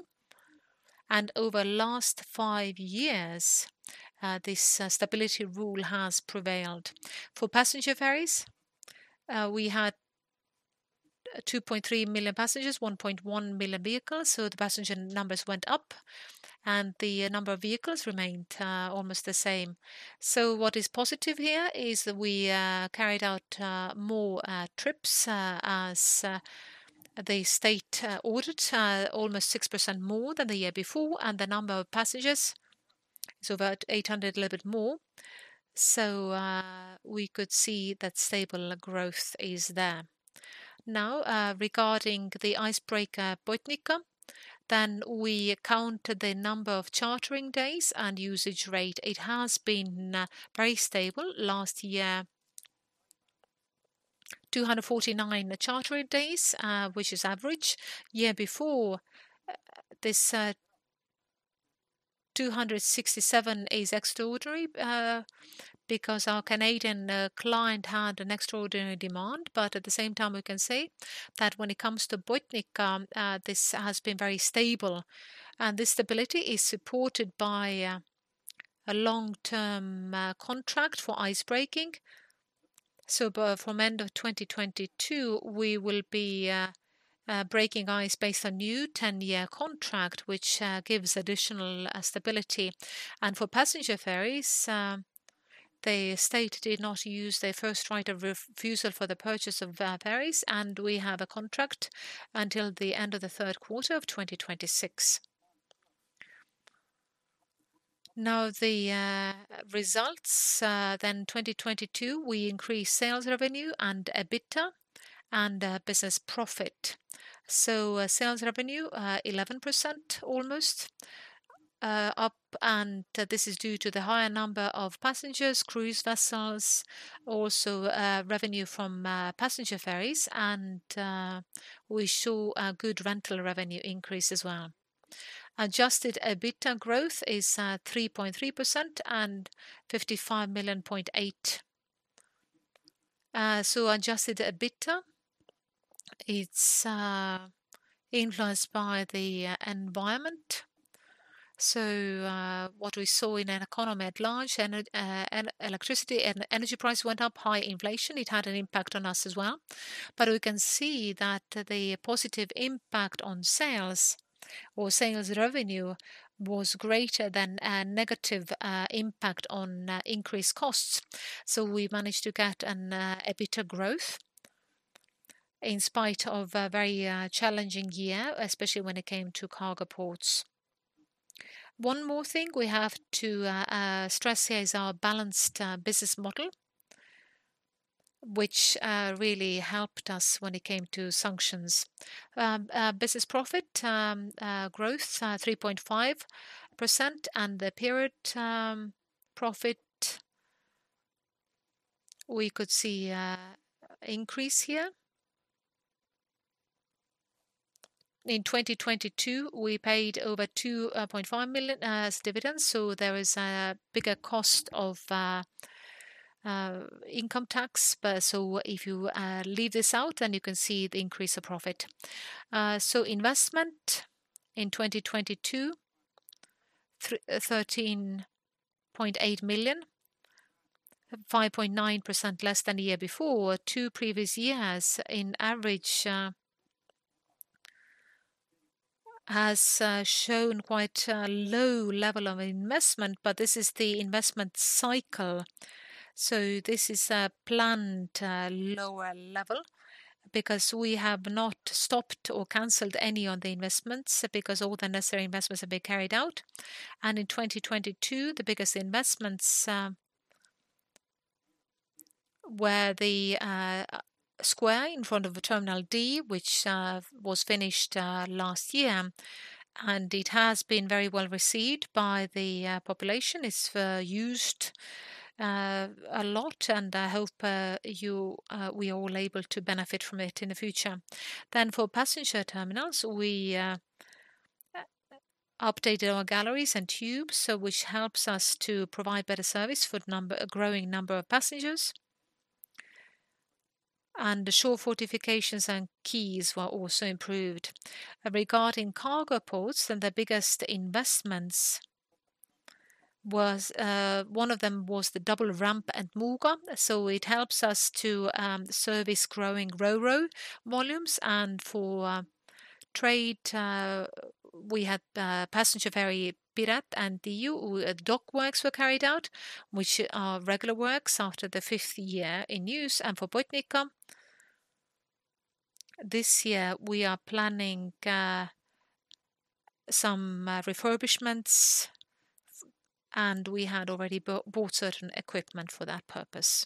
Over last five years, this stability rule has prevailed. For passenger ferries, we had 2.3 million passengers, 1.1 million vehicles, the passenger numbers went up and the number of vehicles remained almost the same. What is positive here is we carried out more trips as the state ordered almost 6% more than the year before, and the number of passengers. It's about 800, a little bit more. We could see that stable growth is there. Regarding the icebreaker Botnica, we count the number of chartering days and usage rate. It has been very stable last year, 249 chartering days, which is average. Year before, this 267 is extraordinary because our Canadian client had an extraordinary demand. At the same time, we can say that when it comes to Botnica, this has been very stable. This stability is supported by a long-term contract for icebreaking. From end of 2022, we will be breaking ice based on new 10-year contract, which gives additional stability. For passenger ferries, the state did not use their first right of refusal for the purchase of their ferries, and we have a contract until the end of the third quarter of 2026. The results 2022, we increased sales revenue and EBITDA and business profit. Sales revenue 11% almost up, and this is due to the higher number of passengers, cruise vessels, also revenue from passenger ferries and we saw a good rental revenue increase as well. Adjusted EBITDA growth is 3.3% and 55.8 million. Adjusted EBITDA, it's influenced by the environment. What we saw in an economy at large and electricity and energy price went up, high inflation, it had an impact on us as well. We can see that the positive impact on sales or sales revenue was greater than a negative impact on increased costs. We managed to get an EBITDA growth in spite of a very challenging year, especially when it came to cargo ports. One more thing we have to stress here is our balanced business model, which really helped us when it came to sanctions. Business profit growth 3.5%, and the period profit, we could see a increase here. In 2022, we paid over 2.5 million as dividends, there is a bigger cost of income tax. If you leave this out, you can see the increase of profit. Investment in 2022, 13.8 million, 5.9% less than the year before. Two previous years in average has shown quite a low level of investment, this is the investment cycle. This is a planned, lower level because we have not stopped or canceled any of the investments because all the necessary investments have been carried out. In 2022, the biggest investments were the Square in front of the Terminal-D, which was finished last year, and it has been very well received by the population. It's used a lot, and I hope you, we all are able to benefit from it in the future. For passenger terminals, we updated our galleries and tubes, which helps us to provide better service for the growing number of passengers. The shore fortifications and quays were also improved. Regarding cargo ports, and the biggest investments was one of them was the double ramp at Muuga. It helps us to service growing Ro-Ro volumes. For trade, we had passenger ferry Piret and Tiiu dock works were carried out, which are regular works after the fifth year in use. For Botnica, this year we are planning some refurbishments, and we had already bought certain equipment for that purpose.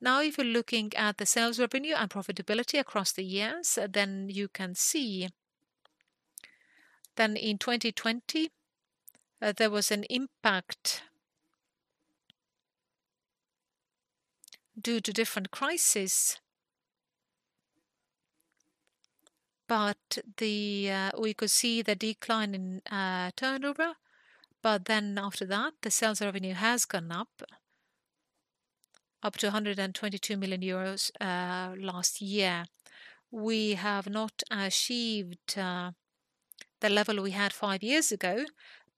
If you're looking at the sales revenue and profitability across the years, you can see in 2020 there was an impact due to different crisis. We could see the decline in turnover, after that, the sales revenue has gone up to 122 million euros last year. We have not achieved the level we had five years ago,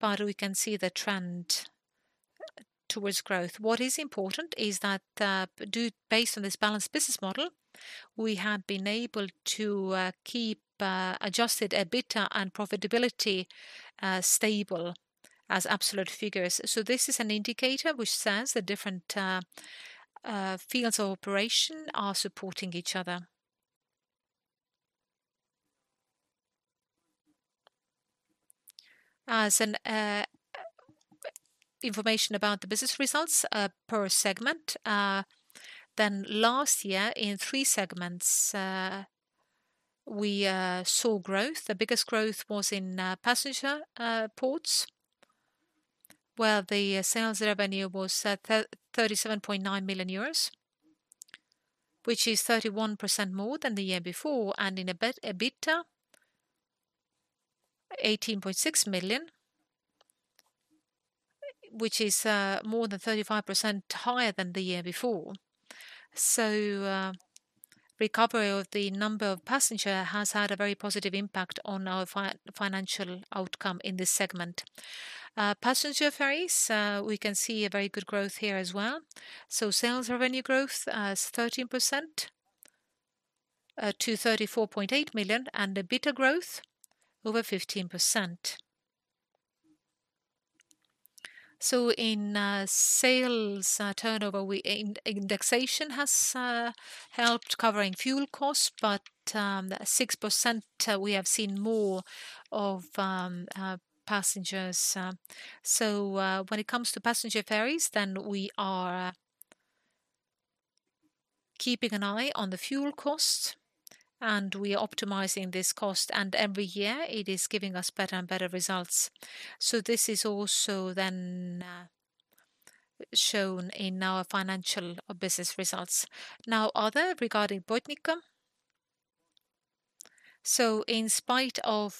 but we can see the trend towards growth. What is important is that, due based on this balanced business model, we have been able to keep adjusted EBITDA and profitability stable as absolute figures. This is an indicator which says the different fields of operation are supporting each other. As an information about the business results per segment. Last year in three segments, we saw growth. The biggest growth was in passenger ports, where the sales revenue was 37.9 million euros, which is 31% more than the year before. And in EBITDA, EUR 18.6 million, which is more than 35% higher than the year before. Recovery of the number of passenger has had a very positive impact on our financial outcome in this segment. Passenger ferries, we can see a very good growth here as well. Sales revenue growth is 13%, to 34.8 million, and EBITDA growth over 15%. In sales turnover, we indexation has helped covering fuel costs, but 6%, we have seen more of passengers. When it comes to passenger ferries, then we are keeping an eye on the fuel costs, and we are optimizing this cost, and every year it is giving us better and better results. This is also then shown in our financial business results. Now, other regarding Botnica. In spite of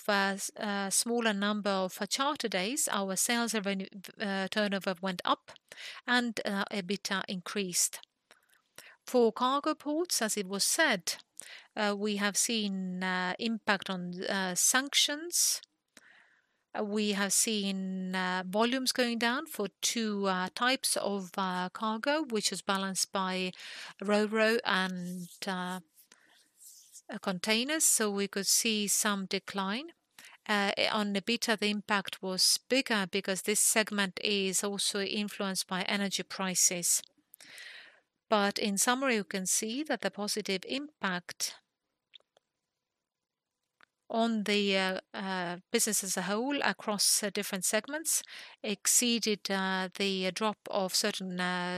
smaller number of charter days, our sales revenue turnover went up and EBITDA increased. For cargo ports, as it was said, we have seen impact on sanctions. We have seen volumes going down for two types of cargo, which is balanced by Ro-Ro and containers. We could see some decline. On EBITDA, the impact was bigger because this segment is also influenced by energy prices. In summary, you can see that the positive impact on the business as a whole across different segments exceeded the drop of certain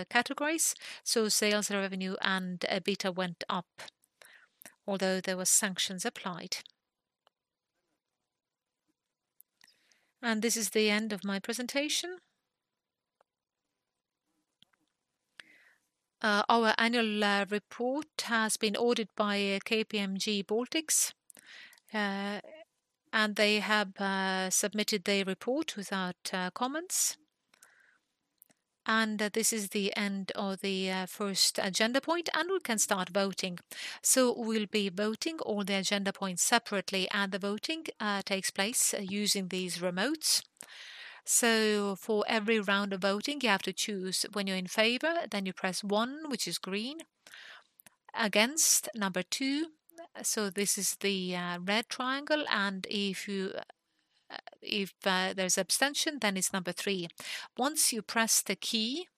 categories. Sales revenue and EBITDA went up, although there were sanctions applied. This is the end of my presentation. Our annual report has been audited by KPMG Baltics, and they have submitted their report without comments. This is the end of the first agenda point, and we can start voting. We'll be voting all the agenda points separately, and the voting takes place using these remotes. For every round of voting, you have to choose. When you're in favor, then you press one, which is green. Against number two, this is the red triangle. If you, if there's abstention, then it's number three. Once you press the key,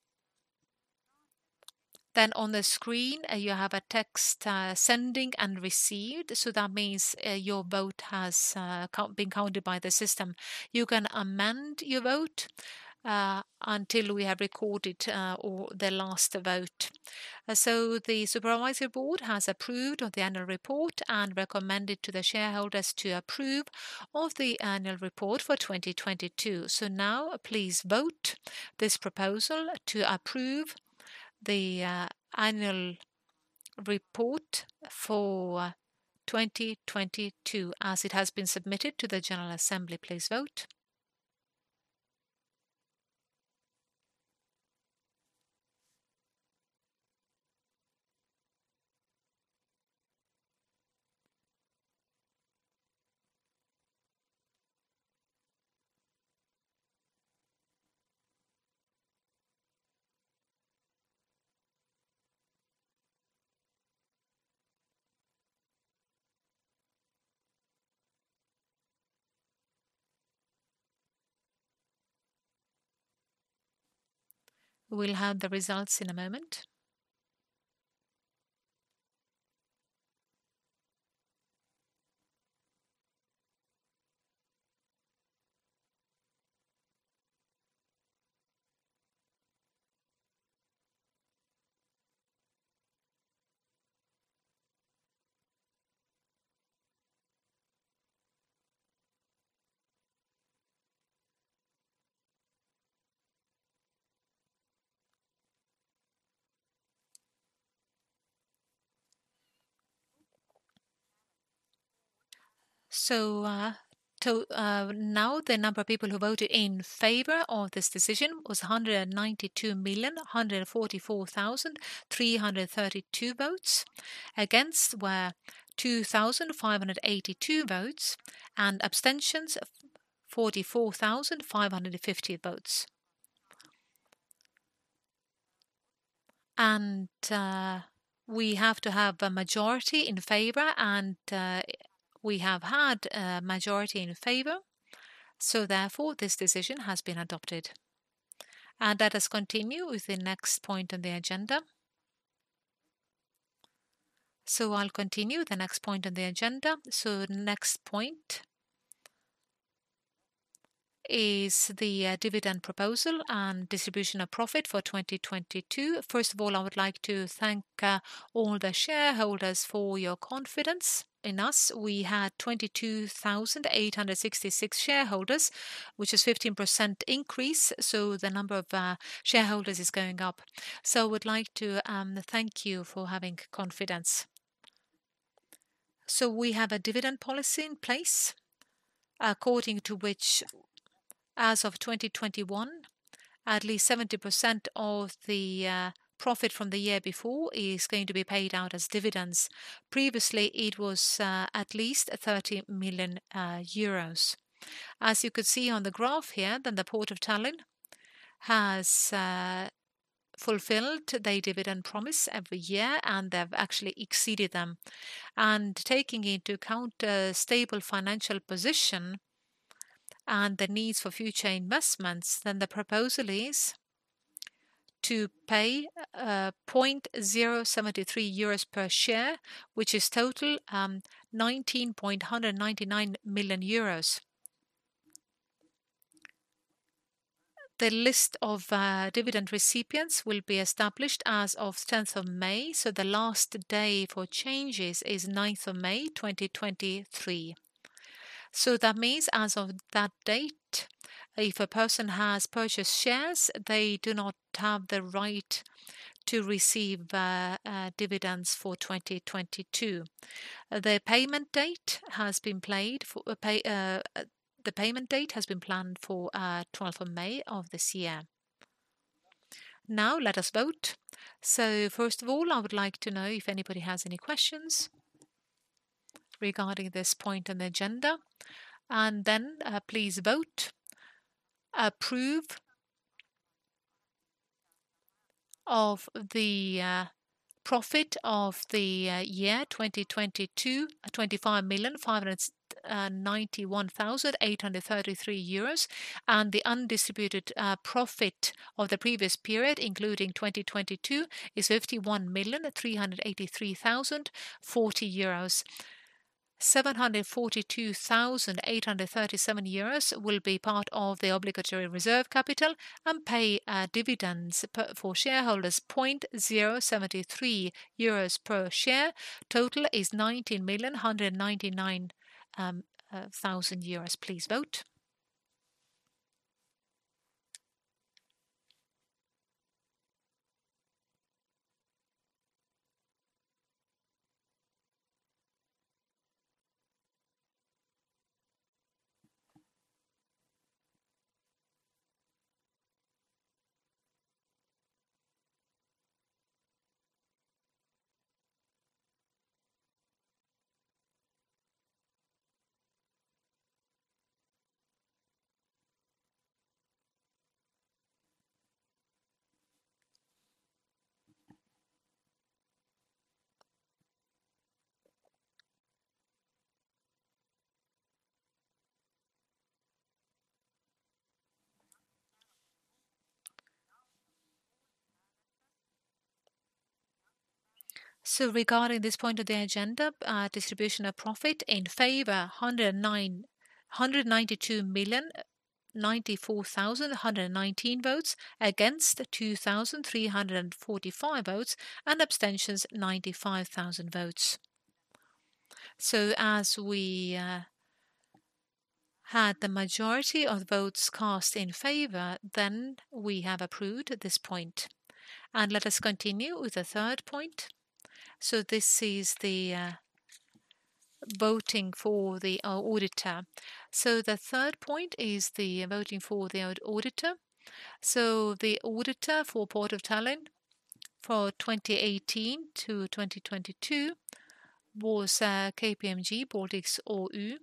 on the screen, you have a text sending and received. That means your vote has been counted by the system. You can amend your vote until we have recorded or the last vote. The Supervisory Board has approved of the annual report and recommended to the shareholders to approve of the annual report for 2022. Now please vote this proposal to approve the annual report for 2022 as it has been submitted to the General Assembly. Please vote. We'll have the results in a moment. Now, the number of people who voted in favor of this decision was 192,144,332 votes. Against were 2,582 votes, and abstentions 44,550 votes. We have to have a majority in favor, we have had a majority in favor. Therefore, this decision has been adopted. Let us continue with the next point on the agenda. I'll continue the next point on the agenda. Next point is the dividend proposal and distribution of profit for 2022. First of all, I would like to thank all the shareholders for your confidence in us. We had 22,866 shareholders, which is 15% increase. The number of shareholders is going up. I would like to thank you for having confidence. We have a dividend policy in place according to which as of 2021, at least 70% of the profit from the year before is going to be paid out as dividends. Previously, it was at least 30 million euros. As you could see on the graph here, the Port of Tallinn has fulfilled their dividend promise every year, and they've actually exceeded them. Taking into account the stable financial position and the needs for future investments, the proposal is to pay 0.073 euros per share, which is total 19.199 million euros. The list of dividend recipients will be established as of 10th of May, the last day for changes is 9th of May, 2023. That means as of that date, if a person has purchased shares, they do not have the right to receive dividends for 2022. The payment date has been planned for 12th of May of this year. Now let us vote. First of all, I would like to know if anybody has any questions regarding this point on the agenda. Then, please vote. Approve of the profit of the year 2022, 25,591,833 euros, and the undistributed profit of the previous period, including 2022, is 51,383,040 euros. 742,837 euros will be part of the obligatory reserve capital and pay dividends per, for shareholders 0.073 euros per share. Total is 19,199,000 euros. Please vote. Regarding this point of the agenda, distribution of profit. In favor 192,094,119 votes. Against, 2,345 votes, and abstentions, 95,000 votes. As we had the majority of votes cast in favor, then we have approved this point. Let us continue with the third point. This is the voting for the auditor. The third point is the voting for the auditor. The auditor for Port of Tallinn for 2018 to 2022 was KPMG Baltics OÜ.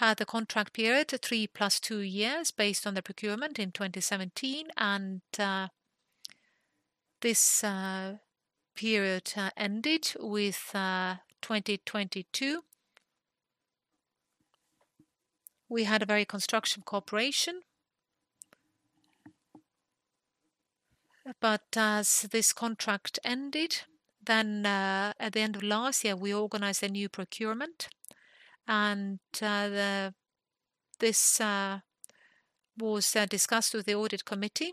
We had a contract period of three plus two years based on the procurement in 2017, this period ended with 2022. We had a very construction cooperation. As this contract ended, at the end of last year, we organized a new procurement, this was discussed with the audit committee.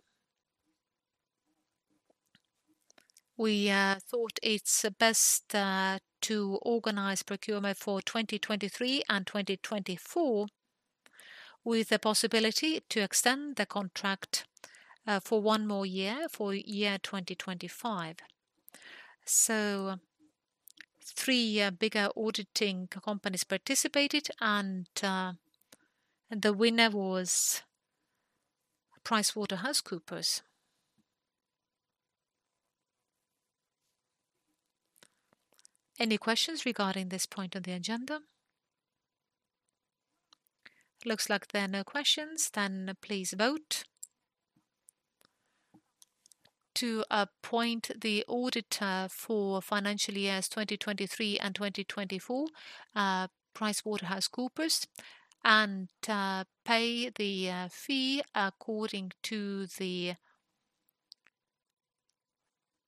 We thought it's best to organize procurement for 2023 and 2024 with the possibility to extend the contract for one more year, for year 2025. Three bigger auditing companies participated, the winner was PricewaterhouseCoopers. Any questions regarding this point on the agenda? Looks like there are no questions. Please vote to appoint the auditor for financial years 2023 and 2024, PricewaterhouseCoopers, and pay the fee according to the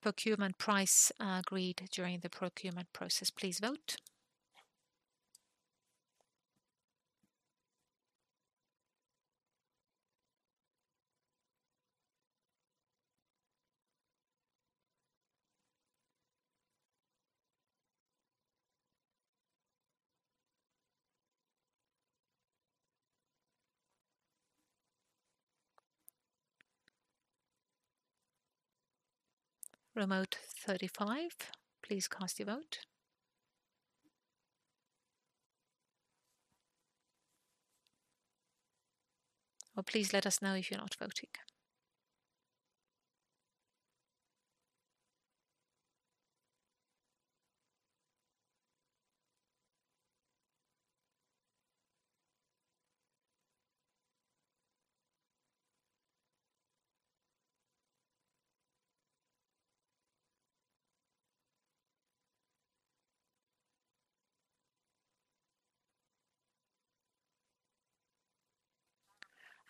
procurement price agreed during the procurement process. Please vote. Remote 35, please cast your vote. Please let us know if you're not voting.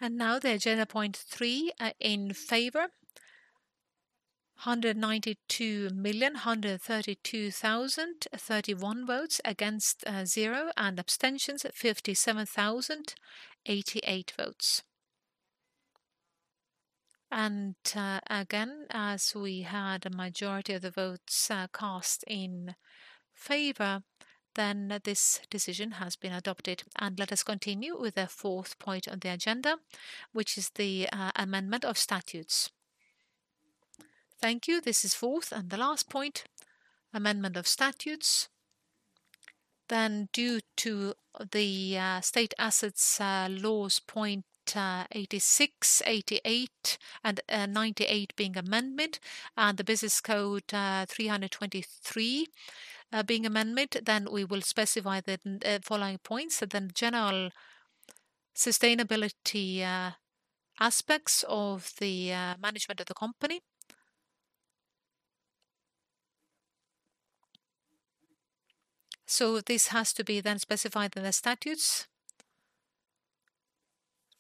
Now the agenda point three, in favor 192,132,031 votes, against, zero, abstentions at 57,088 votes. Again, as we had a majority of the votes cast in favor, this decision has been adopted. Let us continue with the 4th point on the agenda, which is the amendment of statutes. Thank you. This is fourth and the last point, amendment of statutes. Due to the State Assets Laws point 86, 88, and 98 being amendment the Business Code 323 being amendment, we will specify the following points. General sustainability aspects of the management of the company. This has to be then specified in the statutes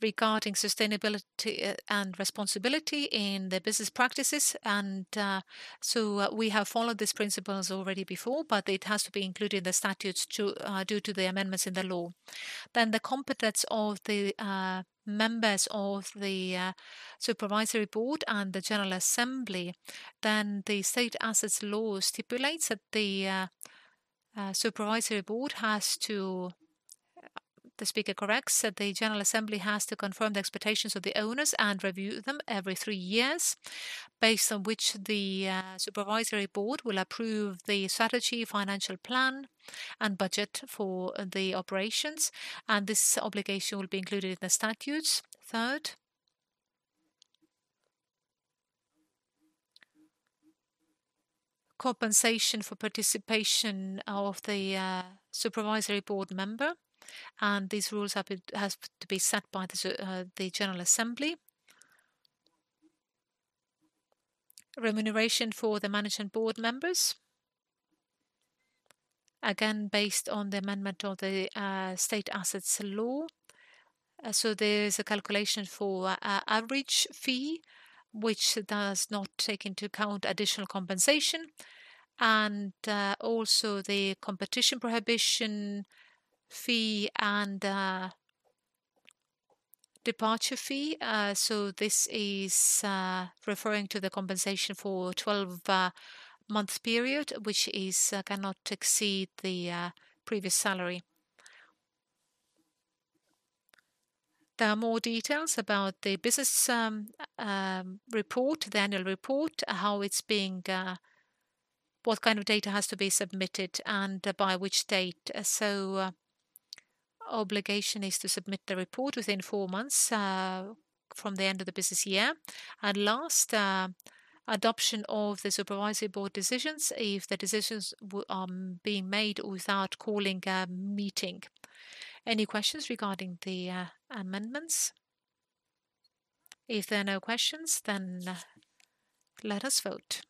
regarding sustainability and responsibility in the business practices. We have followed these principles already before, but it has to be included in the statutes due to the amendments in the law. The competence of the members of the Supervisory Board and the General Assembly, the State Assets Act stipulates that the General Assembly has to confirm the expectations of the owners and review them every three years, based on which the Supervisory Board will approve the strategy, financial plan, and budget for the operations, and this obligation will be included in the statutes. Third, compensation for participation of the Supervisory Board member, and these rules has to be set by the General Assembly. Remuneration for the Management Board members, again, based on the amendment of the State Assets Law. There is a calculation for a average fee, which does not take into account additional compensation and also the competition prohibition fee and departure fee. This is referring to the compensation for 12 month period, which cannot exceed the previous salary. There are more details about the business report, the annual report, how it's being what kind of data has to be submitted and by which date. Obligation is to submit the report within four months from the end of the business year. Last adoption of the Supervisory Board decisions if the decisions being made without calling a meeting. Any questions regarding the amendments? There are no questions, let us vote.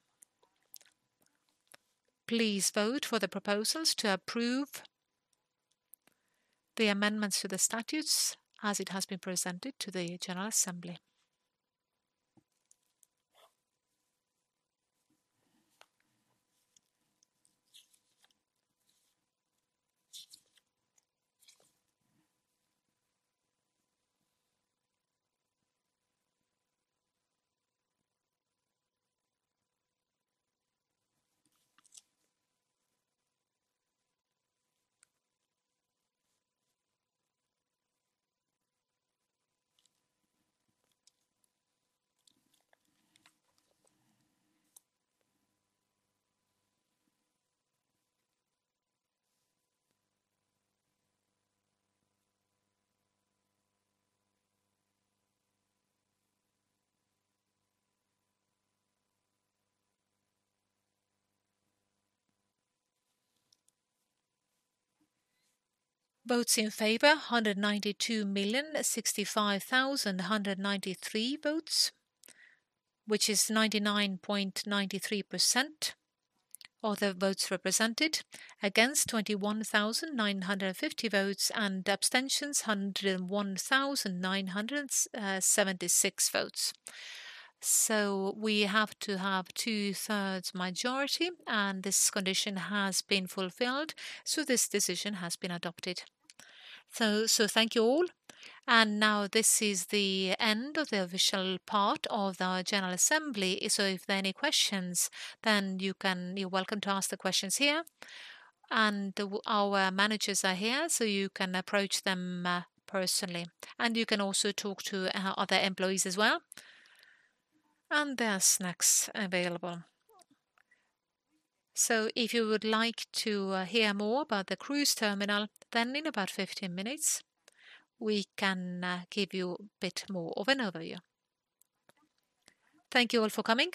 Please vote for the proposals to approve the amendments to the statutes as it has been presented to the general assembly. Votes in favor, 192,065,193 votes, which is 99.93% of the votes represented. Against, 21,950 votes, and abstentions, 101,976 votes. We have to have 2/3 majority, and this condition has been fulfilled, this decision has been adopted. Thank you all. Now this is the end of the official part of our general assembly. If there are any questions, then you're welcome to ask the questions here. Our managers are here, so you can approach them personally. You can also talk to other employees as well. There are snacks available. If you would like to hear more about the cruise terminal, then in about 15 minutes, we can give you a bit more of an overview. Thank you all for coming.